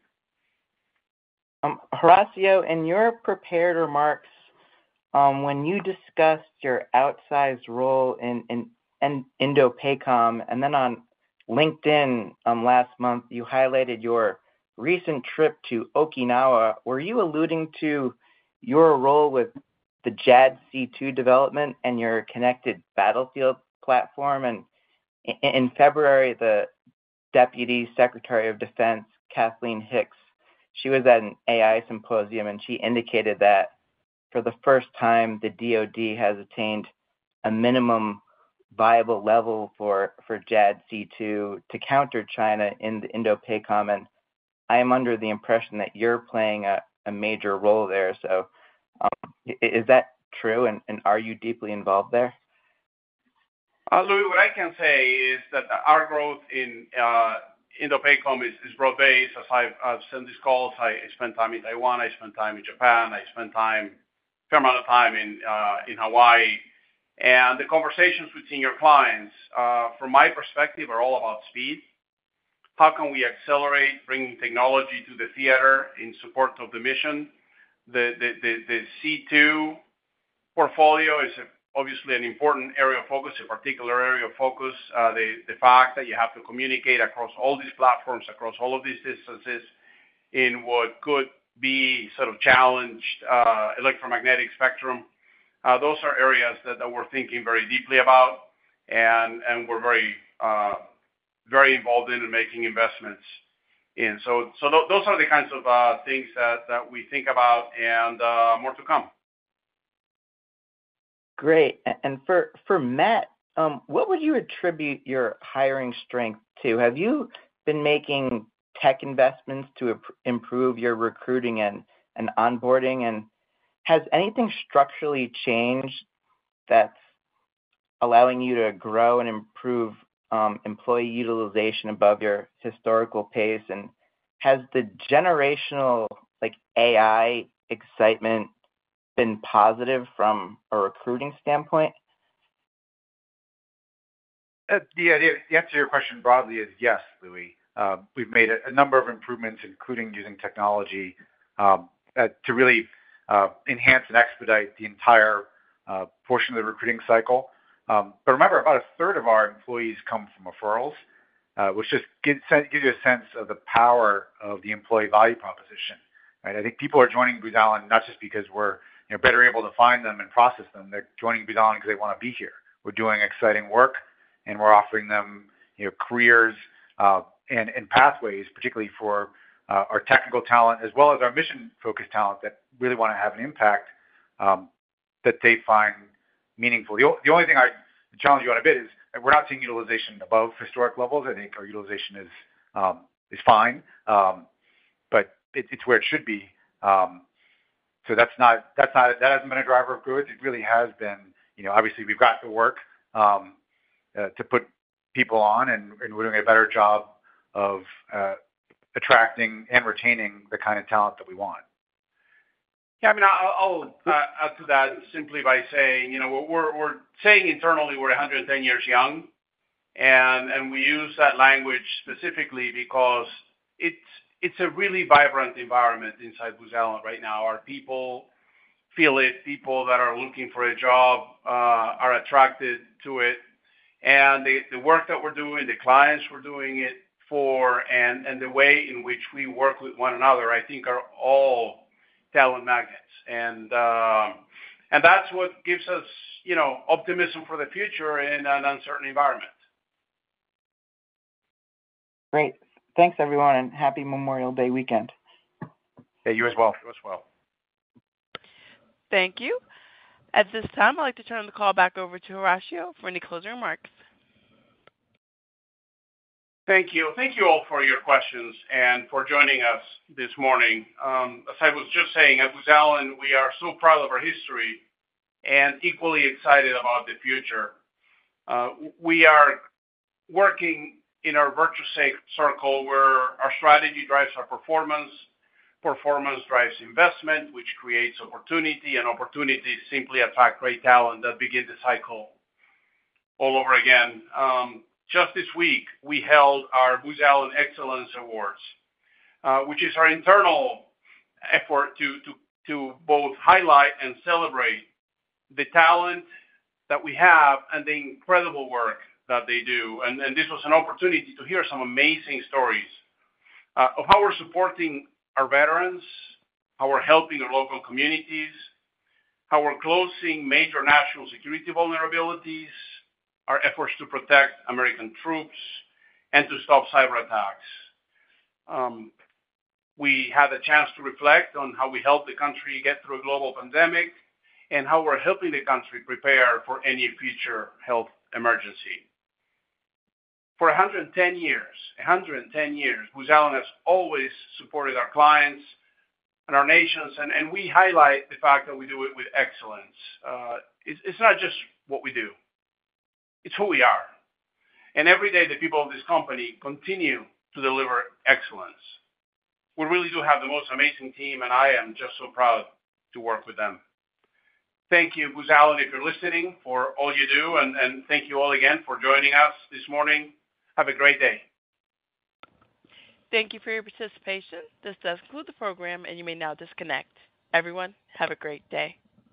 Horacio, in your prepared remarks, when you discussed your outsized role in INDOPACOM, and then on LinkedIn, last month, you highlighted your recent trip to Okinawa, were you alluding to your role with the JADC2 development and your Connected Battlefield platform, and in February, the Deputy Secretary of Defense, Kathleen Hicks, she was at an AI symposium, and she indicated that for the first time, the DoD has attained a minimum viable level for JADC2 to counter China in the INDOPACOM. I am under the impression that you're playing a major role there. So, is that true, and are you deeply involved there? Louis, what I can say is that our growth in INDOPACOM is broad-based. As I've said in these calls, I spend time in Taiwan, I spend time in Japan, I spend time, a fair amount of time in Hawaii. The conversations with senior clients, from my perspective, are all about speed. How can we accelerate bringing technology to the theater in support of the mission? The C2 portfolio is obviously an important area of focus, a particular area of focus. The fact that you have to communicate across all these platforms, across all of these distances in what could be sort of challenged electromagnetic spectrum, those are areas that we're thinking very deeply about and we're very involved in making investments in. So, those are the kinds of things that we think about, and more to come. Great. And for Matt, what would you attribute your hiring strength to? Have you been making tech investments to improve your recruiting and onboarding? And has anything structurally changed that's allowing you to grow and improve employee utilization above your historical pace? And has the generational, like AI excitement, been positive from a recruiting standpoint? The answer to your question broadly is yes, Louis. We've made a number of improvements, including using technology to really enhance and expedite the entire portion of the recruiting cycle. But remember, about a third of our employees come from referrals, which just gives you a sense of the power of the employee value proposition, right? I think people are joining Booz Allen, not just because we're, you know, better able to find them and process them. They're joining Booz Allen because they wanna be here. We're doing exciting work, and we're offering them, you know, careers and pathways, particularly for our technical talent, as well as our mission-focused talent, that really wanna have an impact that they find meaningful. The only thing I challenge you on a bit is we're not seeing utilization above historic levels. I think our utilization is fine, but it, it's where it should be. So that hasn't been a driver of growth. It really has been, you know, obviously, we've got to work to put people on, and we're doing a better job of attracting and retaining the kind of talent that we want. Yeah, I mean, I'll add to that simply by saying, you know, we're saying internally, we're 110 years young, and we use that language specifically because it's a really vibrant environment inside Booz Allen right now. Our people feel it. People that are looking for a job are attracted to it. And the work that we're doing, the clients we're doing it for, and the way in which we work with one another, I think, are all talent magnets. And that's what gives us, you know, optimism for the future in an uncertain environment. Great. Thanks, everyone, and happy Memorial Day weekend. Hey, you as well. You as well. Thank you. At this time, I'd like to turn the call back over to Horacio for any closing remarks. Thank you. Thank you all for your questions and for joining us this morning. As I was just saying, at Booz Allen, we are so proud of our history and equally excited about the future. We are working in our virtuous circle, where our strategy drives our performance, performance drives investment, which creates opportunity, and opportunities simply attract great talent that begin the cycle all over again. Just this week, we held our Booz Allen Excellence Awards, which is our internal effort to both highlight and celebrate the talent that we have and the incredible work that they do. And this was an opportunity to hear some amazing stories of how we're supporting our veterans, how we're helping our local communities, how we're closing major national security vulnerabilities, our efforts to protect American troops, and to stop cyberattacks. We had a chance to reflect on how we helped the country get through a global pandemic and how we're helping the country prepare for any future health emergency. For 110 years, 110 years, Booz Allen has always supported our clients and our nations, and, and we highlight the fact that we do it with excellence. It's, it's not just what we do, it's who we are. Every day, the people of this company continue to deliver excellence. We really do have the most amazing team, and I am just so proud to work with them. Thank you, Booz Allen, if you're listening, for all you do, and, and thank you all again for joining us this morning. Have a great day. Thank you for your participation. This does conclude the program, and you may now disconnect. Everyone, have a great day.